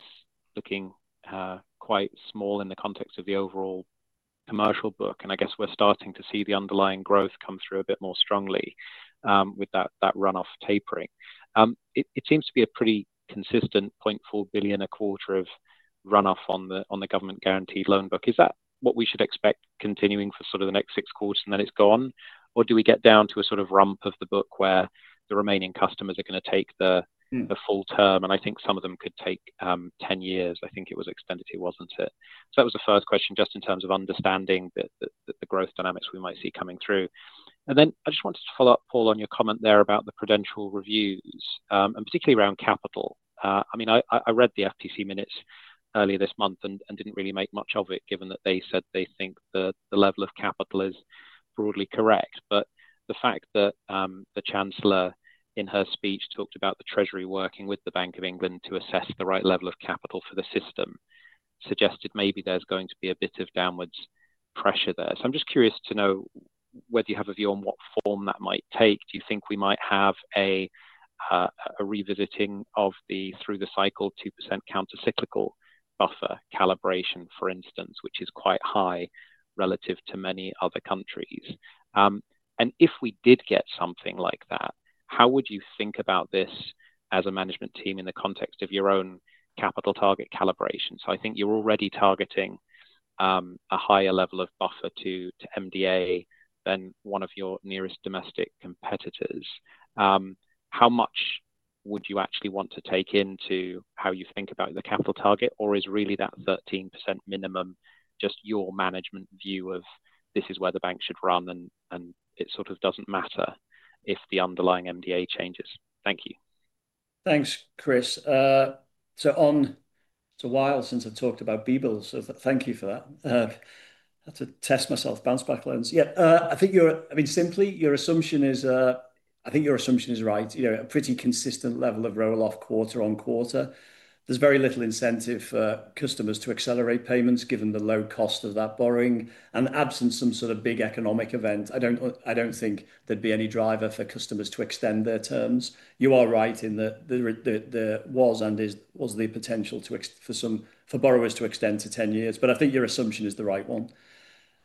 looking quite small in the context of the overall commercial book. I guess we're starting to see the underlying growth come through a bit more strongly with that run-off tapering. It seems to be a pretty consistent 0.4 billion a quarter of run-off on the government guaranteed loan book. Is that what we should expect continuing for the next six quarters and then it's gone? Or do we get down to a sort of rump of the book where the remaining customers are going to take the full term? I think some of them could take 10 years. I think it was extended, wasn't it? That was the first question, just in terms of understanding the growth dynamics we might see coming through. I just wanted to follow up, Paul, on your comment there about the prudential reviews, and particularly around capital. I mean, I read the FPC minutes earlier this month and didn't really make much of it, given that they said they think the level of capital is broadly correct. The fact that the Chancellor, in her speech, talked about the Treasury working with the Bank of England to assess the right level of capital for the system, suggested maybe there's going to be a bit of downwards pressure there. I'm just curious to know whether you have a view on what form that might take. Do you think we might have a revisiting of the through-the-cycle 2% countercyclical buffer calibration, for instance, which is quite high relative to many other countries? If we did get something like that, how would you think about this as a management team in the context of your own capital target calibration? I think you're already targeting a higher level of buffer to MDA than one of your nearest domestic competitors. How much would you actually want to take into how you think about the capital target, or is really that 13% minimum just your management view of this is where the bank should run, and it doesn't matter if the underlying MDA changes? Thank you. Thanks, Chris. It's a while since I've talked about Bibbles, so thank you for that. I have to test myself, bounce back loans. Yeah, I think you're, I mean, simply, your assumption is, I think your assumption is right, a pretty consistent level of roll-off quarter on quarter. There's very little incentive for customers to accelerate payments given the low cost of that borrowing. Absent some sort of big economic event, I don't think there'd be any driver for customers to extend their terms. You are right in that there was and is, was the potential for borrowers to extend to 10 years. I think your assumption is the right one.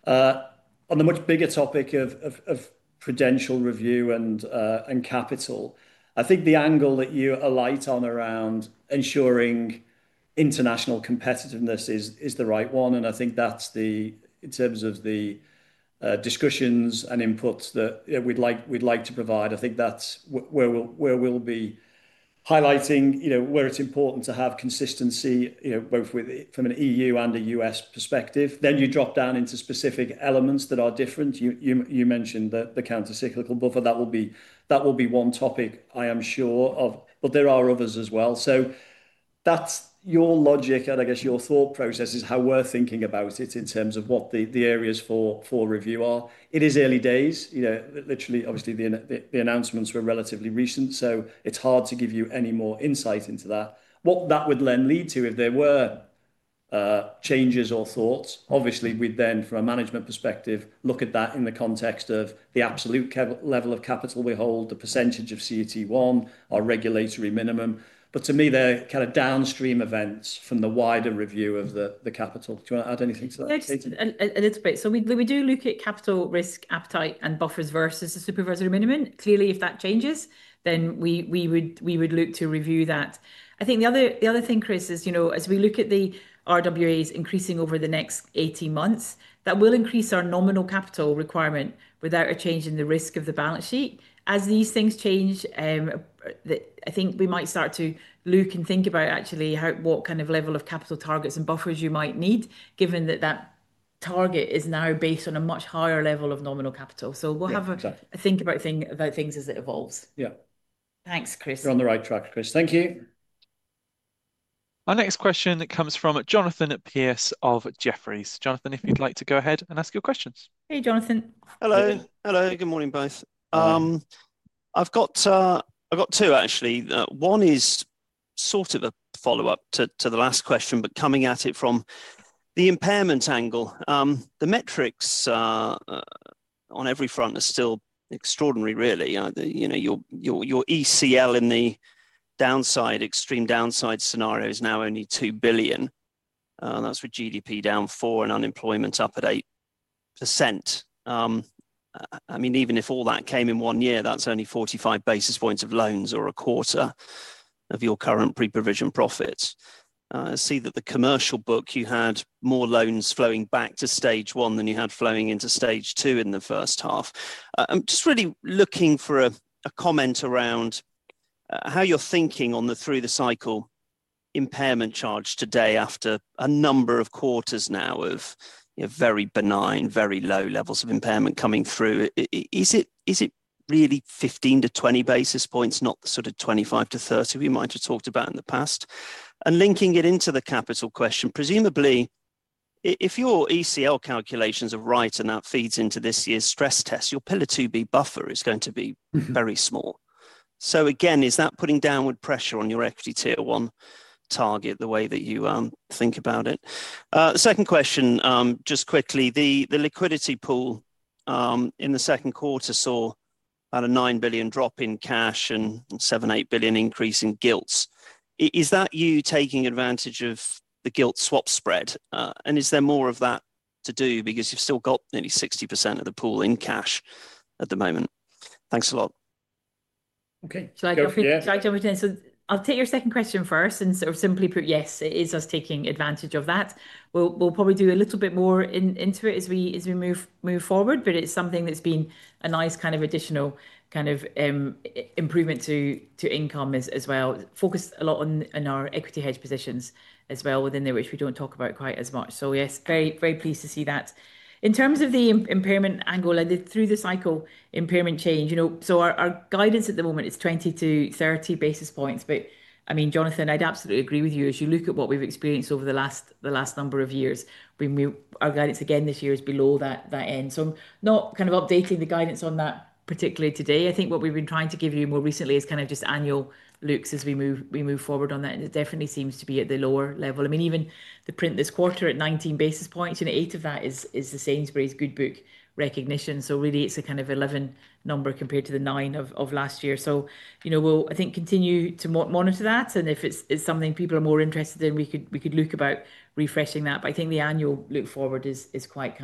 On the much bigger topic of prudential review and capital, I think the angle that you alight on around ensuring international competitiveness is the right one. I think that's the, in terms of the discussions and inputs that we'd like to provide, I think that's where we'll be highlighting where it's important to have consistency both from an EU and a US perspective. You drop down into specific elements that are different. You mentioned the countercyclical buffer. That will be one topic, I am sure of, but there are others as well. That's your logic, and I guess your thought process is how we're thinking about it in terms of what the areas for review are. It is early days. Literally, obviously, the announcements were relatively recent, so it's hard to give you any more insight into that. What that would then lead to, if there were changes or thoughts, obviously, we'd then, from a management perspective, look at that in the context of the absolute level of capital we hold, the percentage of CT1, our regulatory minimum. To me, they're kind of downstream events from the wider review of the capital. Do you want to add anything to that? A little bit. We do look at capital risk, appetite, and buffers versus the supervisory minimum. Clearly, if that changes, then we would look to review that. I think the other thing, Chris, is as we look at the RWAs increasing over the next 18 months, that will increase our nominal capital requirement without a change in the risk of the balance sheet. As these things change, I think we might start to look and think about actually what kind of level of capital targets and buffers you might need, given that that target is now based on a much higher level of nominal capital. We will have a think about things as it evolves. Yeah. Thanks, Chris. You're on the right track, Chris. Thank you. Our next question comes from Jonathan Pierce of Jefferies. Jonathan, if you'd like to go ahead and ask your questions. Hey, Jonathan. Hello. Good morning, both. I've got two, actually. One is sort of a follow-up to the last question, but coming at it from the impairment angle. The metrics on every front are still extraordinary, really. Your ECL in the downside, extreme downside scenario is now only 2 billion. That's with GDP down 4% and unemployment up at 8%. I mean, even if all that came in one year, that's only 45 basis points of loans or a quarter of your current pre-provision profits. I see that the commercial book, you had more loans flowing back to stage one than you had flowing into stage two in the first half. I'm just really looking for a comment around how you're thinking on the through-the-cycle impairment charge today after a number of quarters now of very benign, very low levels of impairment coming through. Is it really 15-20 basis points, not the sort of 25-30 we might have talked about in the past? Linking it into the capital question, presumably, if your ECL calculations are right and that feeds into this year's stress test, your pillar 2B buffer is going to be very small. Again, is that putting downward pressure on your equity tier one target the way that you think about it? Second question, just quickly, the liquidity pool. In the second quarter saw about a 9 billion drop in cash and 7-8 billion increase in gilts. Is that you taking advantage of the gilt swap spread? Is there more of that to do because you've still got nearly 60% of the pool in cash at the moment? Thanks a lot. Okay. I'll take your second question first. Simply, yes, it is us taking advantage of that. We'll probably do a little bit more into it as we move forward, but it's something that's been a nice kind of additional kind of improvement to income as well. Focused a lot on our equity hedge positions as well within there, which we don't talk about quite as much. Yes, very pleased to see that. In terms of the impairment angle, and the through-the-cycle impairment change, our guidance at the moment is 20-30 basis points. I mean, Jonathan, I'd absolutely agree with you as you look at what we've experienced over the last number of years. Our guidance again this year is below that end. I'm not kind of updating the guidance on that particularly today. I think what we've been trying to give you more recently is just annual looks as we move forward on that. It definitely seems to be at the lower level. Even the print this quarter at 19 basis points, eight of that is the Sainsbury’s Goodbook recognition. Really, it's a kind of 11 number compared to the nine of last year. We'll, I think, continue to monitor that. If it's something people are more interested in, we could look about refreshing that. I think the annual look forward is quite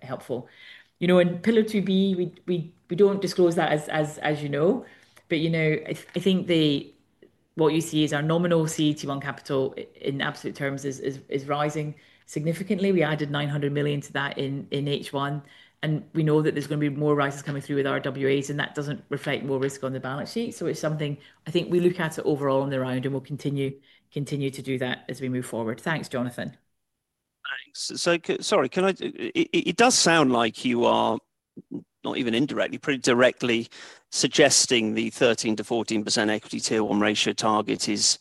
helpful. Pillar 2B, we don't disclose that, as you know. I think what you see is our nominal CT1 capital in absolute terms is rising significantly. We added 900 million to that in H1. We know that there's going to be more rises coming through with RWAs, and that doesn't reflect more risk on the balance sheet. It's something I think we look at overall on the round, and we'll continue to do that as we move forward. Thanks, Jonathan. Thanks. Sorry, it does sound like you are not even indirectly, pretty directly suggesting the 13%-14% equity tier one ratio target is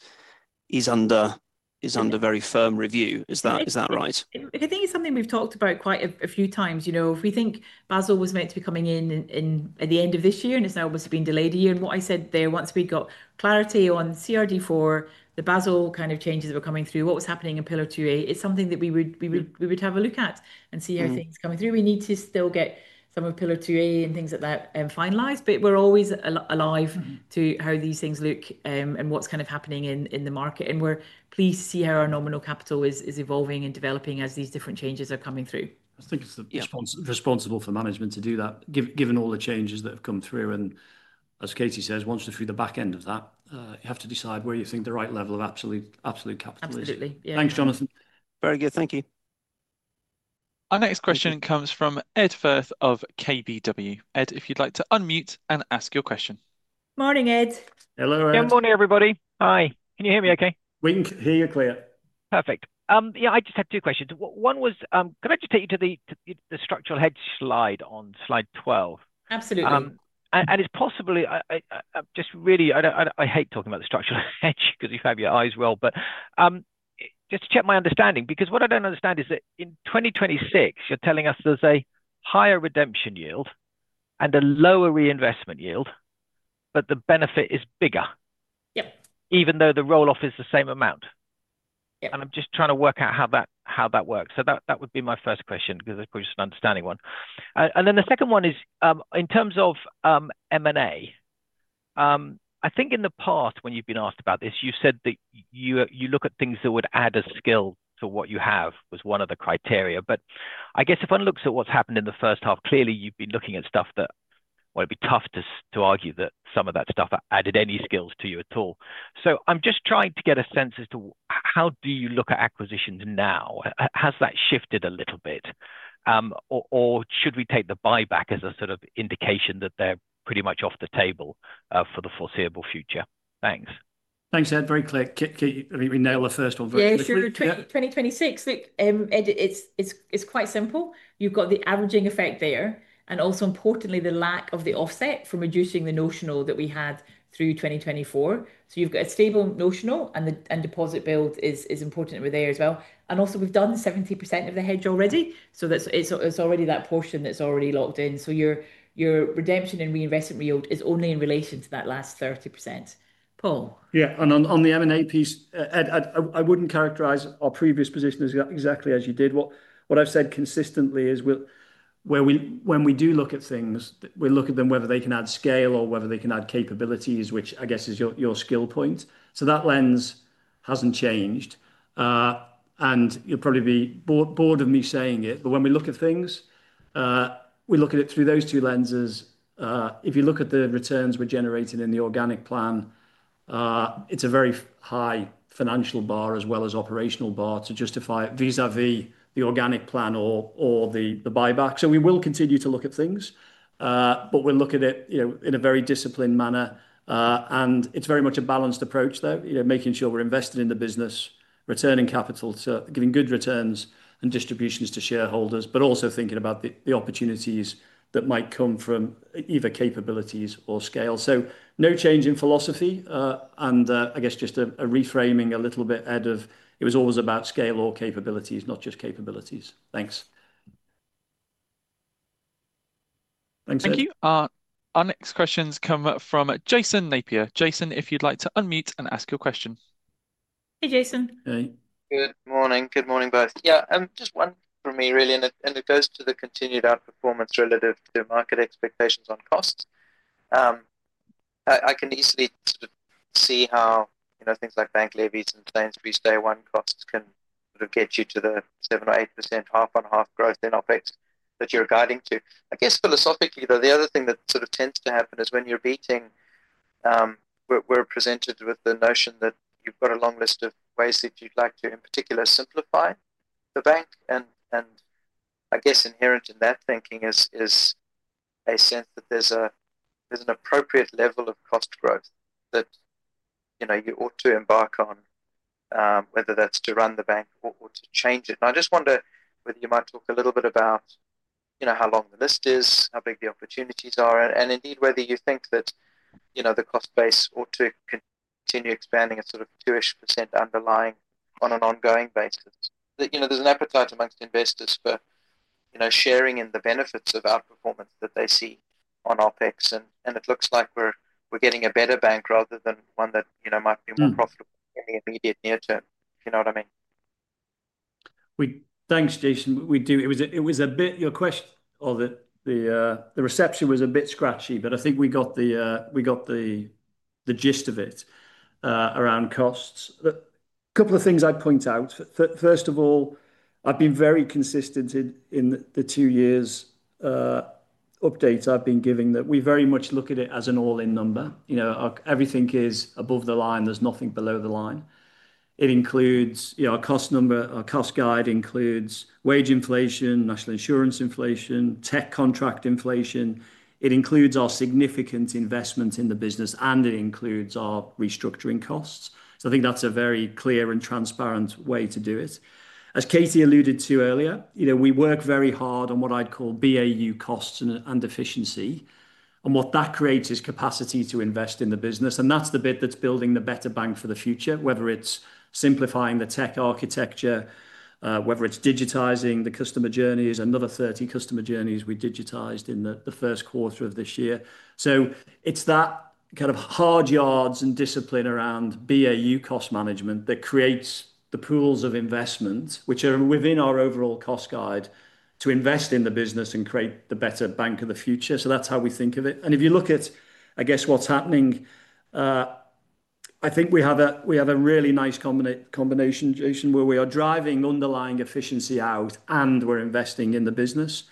under very firm review. Is that right? I think it's something we've talked about quite a few times. If we think Basel was meant to be coming in at the end of this year, and it's now obviously been delayed a year. What I said there, once we got clarity on CRD4, the Basel kind of changes that were coming through, what was happening in pillar 2A, it's something that we would have a look at and see how things are coming through. We need to still get some of pillar 2A and things like that finalized, but we're always alive to how these things look and what's kind of happening in the market. We're pleased to see how our nominal capital is evolving and developing as these different changes are coming through. I think it's responsible for management to do that, given all the changes that have come through. As Katie says, once you're through the back end of that, you have to decide where you think the right level of absolute capital is. Absolutely. Thanks, Jonathan. Very good. Thank you. Our next question comes from Edward of KBW. Ed, if you'd like to unmute and ask your question. Morning, Ed. Hello, Ed. Good morning, everybody. Hi. Can you hear me okay? We can hear you clearly. Perfect. Yeah, I just had two questions. One was, can I just take you to the structural hedge slide on slide 12? Absolutely. It's possibly, just really, I hate talking about the structural hedge because you have your eyes rolled. Just to check my understanding, because what I don't understand is that in 2026, you're telling us there's a higher redemption yield and a lower reinvestment yield, but the benefit is bigger. Yep. Even though the roll-off is the same amount. Yep. I'm just trying to work out how that works. That would be my first question because it's just an understanding one. The second one is in terms of M&A. I think in the past, when you've been asked about this, you said that you look at things that would add a skill to what you have was one of the criteria. I guess if one looks at what's happened in the first half, clearly, you've been looking at stuff that, well, it'd be tough to argue that some of that stuff added any skills to you at all. I'm just trying to get a sense as to how do you look at acquisitions now. Has that shifted a little bit? Or should we take the buyback as a sort of indication that they're pretty much off the table for the foreseeable future? Thanks. Thanks, Ed. Very clear. I think we nailed the first one virtually. Yeah, through 2026, it's quite simple. You've got the averaging effect there. Also importantly, the lack of the offset from reducing the notional that we had through 2024. You've got a stable notional, and deposit build is important over there as well. We've done 70% of the hedge already. It's already that portion that's already locked in. Your redemption and reinvestment yield is only in relation to that last 30%. Paul. Yeah. On the M&A piece, Ed, I would not characterize our previous position exactly as you did. What I have said consistently is when we do look at things, we look at them whether they can add scale or whether they can add capabilities, which I guess is your skill point. That lens has not changed. You will probably be bored of me saying it, but when we look at things, we look at it through those two lenses. If you look at the returns we are generating in the organic plan, it is a very high financial bar as well as operational bar to justify it, vis-à-vis the organic plan or the buyback. We will continue to look at things, but we will look at it in a very disciplined manner. It is very much a balanced approach, making sure we are invested in the business, returning capital, giving good returns and distributions to shareholders, but also thinking about the opportunities that might come from either capabilities or scale. No change in philosophy. I guess just a reframing a little bit, Ed, of it was always about scale or capabilities, not just capabilities. Thanks. Thanks. Thank you. Our next questions come from Jason Napier. Jason, if you'd like to unmute and ask your question. Hey, Jason. Hey. Good morning. Good morning, both. Yeah. Just one for me, really. It goes to the continued outperformance relative to market expectations on costs. I can easily sort of see how things like bank levies and Sainsbury's day one costs can sort of get you to the 7-8% half-on-half growth in OpEx that you're guiding to. I guess philosophically, though, the other thing that sort of tends to happen is when you're beating. We're presented with the notion that you've got a long list of ways that you'd like to, in particular, simplify the bank. I guess inherent in that thinking is a sense that there's an appropriate level of cost growth that you ought to embark on, whether that's to run the bank or to change it. I just wonder whether you might talk a little bit about how long the list is, how big the opportunities are, and indeed whether you think that the cost base ought to continue expanding at sort of 2% underlying on an ongoing basis. There's an appetite amongst investors for sharing in the benefits of outperformance that they see on OpEx. It looks like we're getting a better bank rather than one that might be more profitable in the immediate near term. You know what I mean? Thanks, Jason. It was a bit your question or the reception was a bit scratchy, but I think we got the gist of it. Around costs, a couple of things I'd point out. First of all, I've been very consistent in the two years' updates I've been giving that we very much look at it as an all-in number. Everything is above the line. There's nothing below the line. It includes our cost number. Our cost guide includes wage inflation, national insurance inflation, tech contract inflation. It includes our significant investments in the business, and it includes our restructuring costs. I think that's a very clear and transparent way to do it. As Katie alluded to earlier, we work very hard on what I'd call BAU costs and efficiency. What that creates is capacity to invest in the business. That's the bit that's building the better bank for the future, whether it's simplifying the tech architecture, whether it's digitizing the customer journeys, another 30 customer journeys we digitized in the first quarter of this year. It's that kind of hard yards and discipline around BAU cost management that creates the pools of investments, which are within our overall cost guide to invest in the business and create the better bank of the future. That's how we think of it. If you look at, I guess, what's happening, I think we have a really nice combination, Jason, where we are driving underlying efficiency out, and we're investing in the business.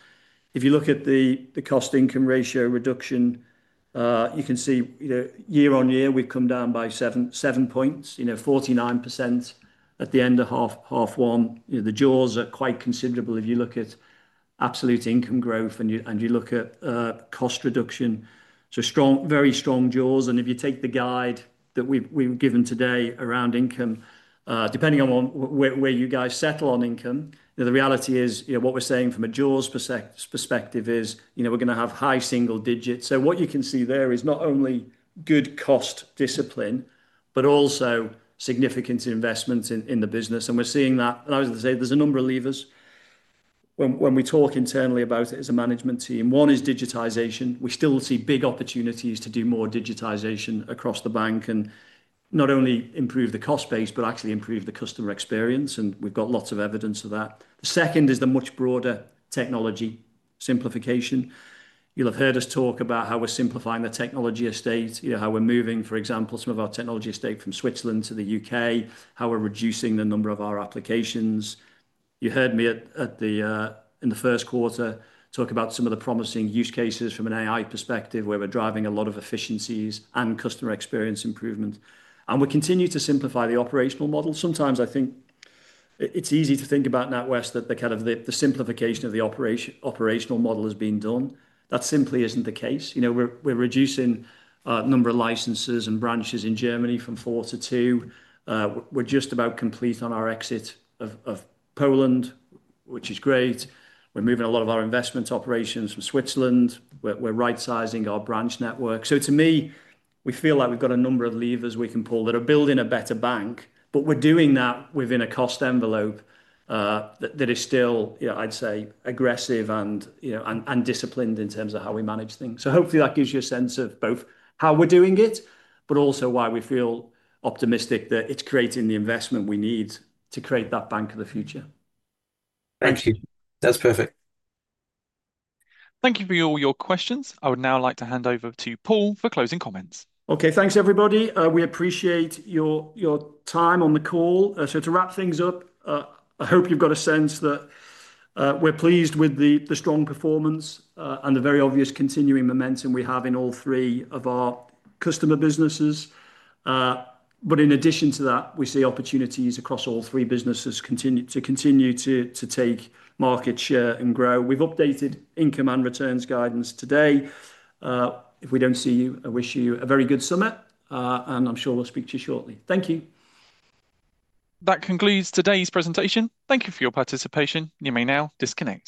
If you look at the cost-income ratio reduction, you can see year on year, we've come down by seven points, 49% at the end of half one. The jaws are quite considerable if you look at absolute income growth and you look at cost reduction. Very strong jaws. If you take the guide that we were given today around income, depending on where you guys settle on income, the reality is what we're saying from a jaws perspective is we're going to have high single digits. What you can see there is not only good cost discipline, but also significant investments in the business. We're seeing that. I was going to say there's a number of levers. When we talk internally about it as a management team, one is digitization. We still see big opportunities to do more digitization across the bank and not only improve the cost base, but actually improve the customer experience. We've got lots of evidence of that. The second is the much broader technology simplification. You'll have heard us talk about how we're simplifying the technology estate, how we're moving, for example, some of our technology estate from Switzerland to the U.K., how we're reducing the number of our applications. You heard me in the first quarter talk about some of the promising use cases from an AI perspective where we're driving a lot of efficiencies and customer experience improvements. We continue to simplify the operational model. Sometimes I think it's easy to think about NatWest, that kind of the simplification of the operational model has been done. That simply is not the case. We're reducing the number of licenses and branches in Germany from four to two. We're just about complete on our exit of Poland, which is great. We're moving a lot of our investment operations from Switzerland. We're right-sizing our branch network. To me, we feel like we've got a number of levers we can pull that are building a better bank, but we're doing that within a cost envelope that is still, I'd say, aggressive and disciplined in terms of how we manage things. Hopefully, that gives you a sense of both how we're doing it, but also why we feel optimistic that it's creating the investment we need to create that bank of the future. Thank you. That's perfect. Thank you for all your questions. I would now like to hand over to Paul for closing comments. Okay, thanks, everybody. We appreciate your time on the Call. To wrap things up, I hope you've got a sense that we're pleased with the strong performance and the very obvious continuing momentum we have in all three of our customer businesses. In addition to that, we see opportunities across all three businesses to continue to take market share and grow. We've updated income and returns guidance today. If we don't see you, I wish you a very good summit, and I'm sure we'll speak to you shortly. Thank you. That concludes today's presentation. Thank you for your participation. You may now disconnect.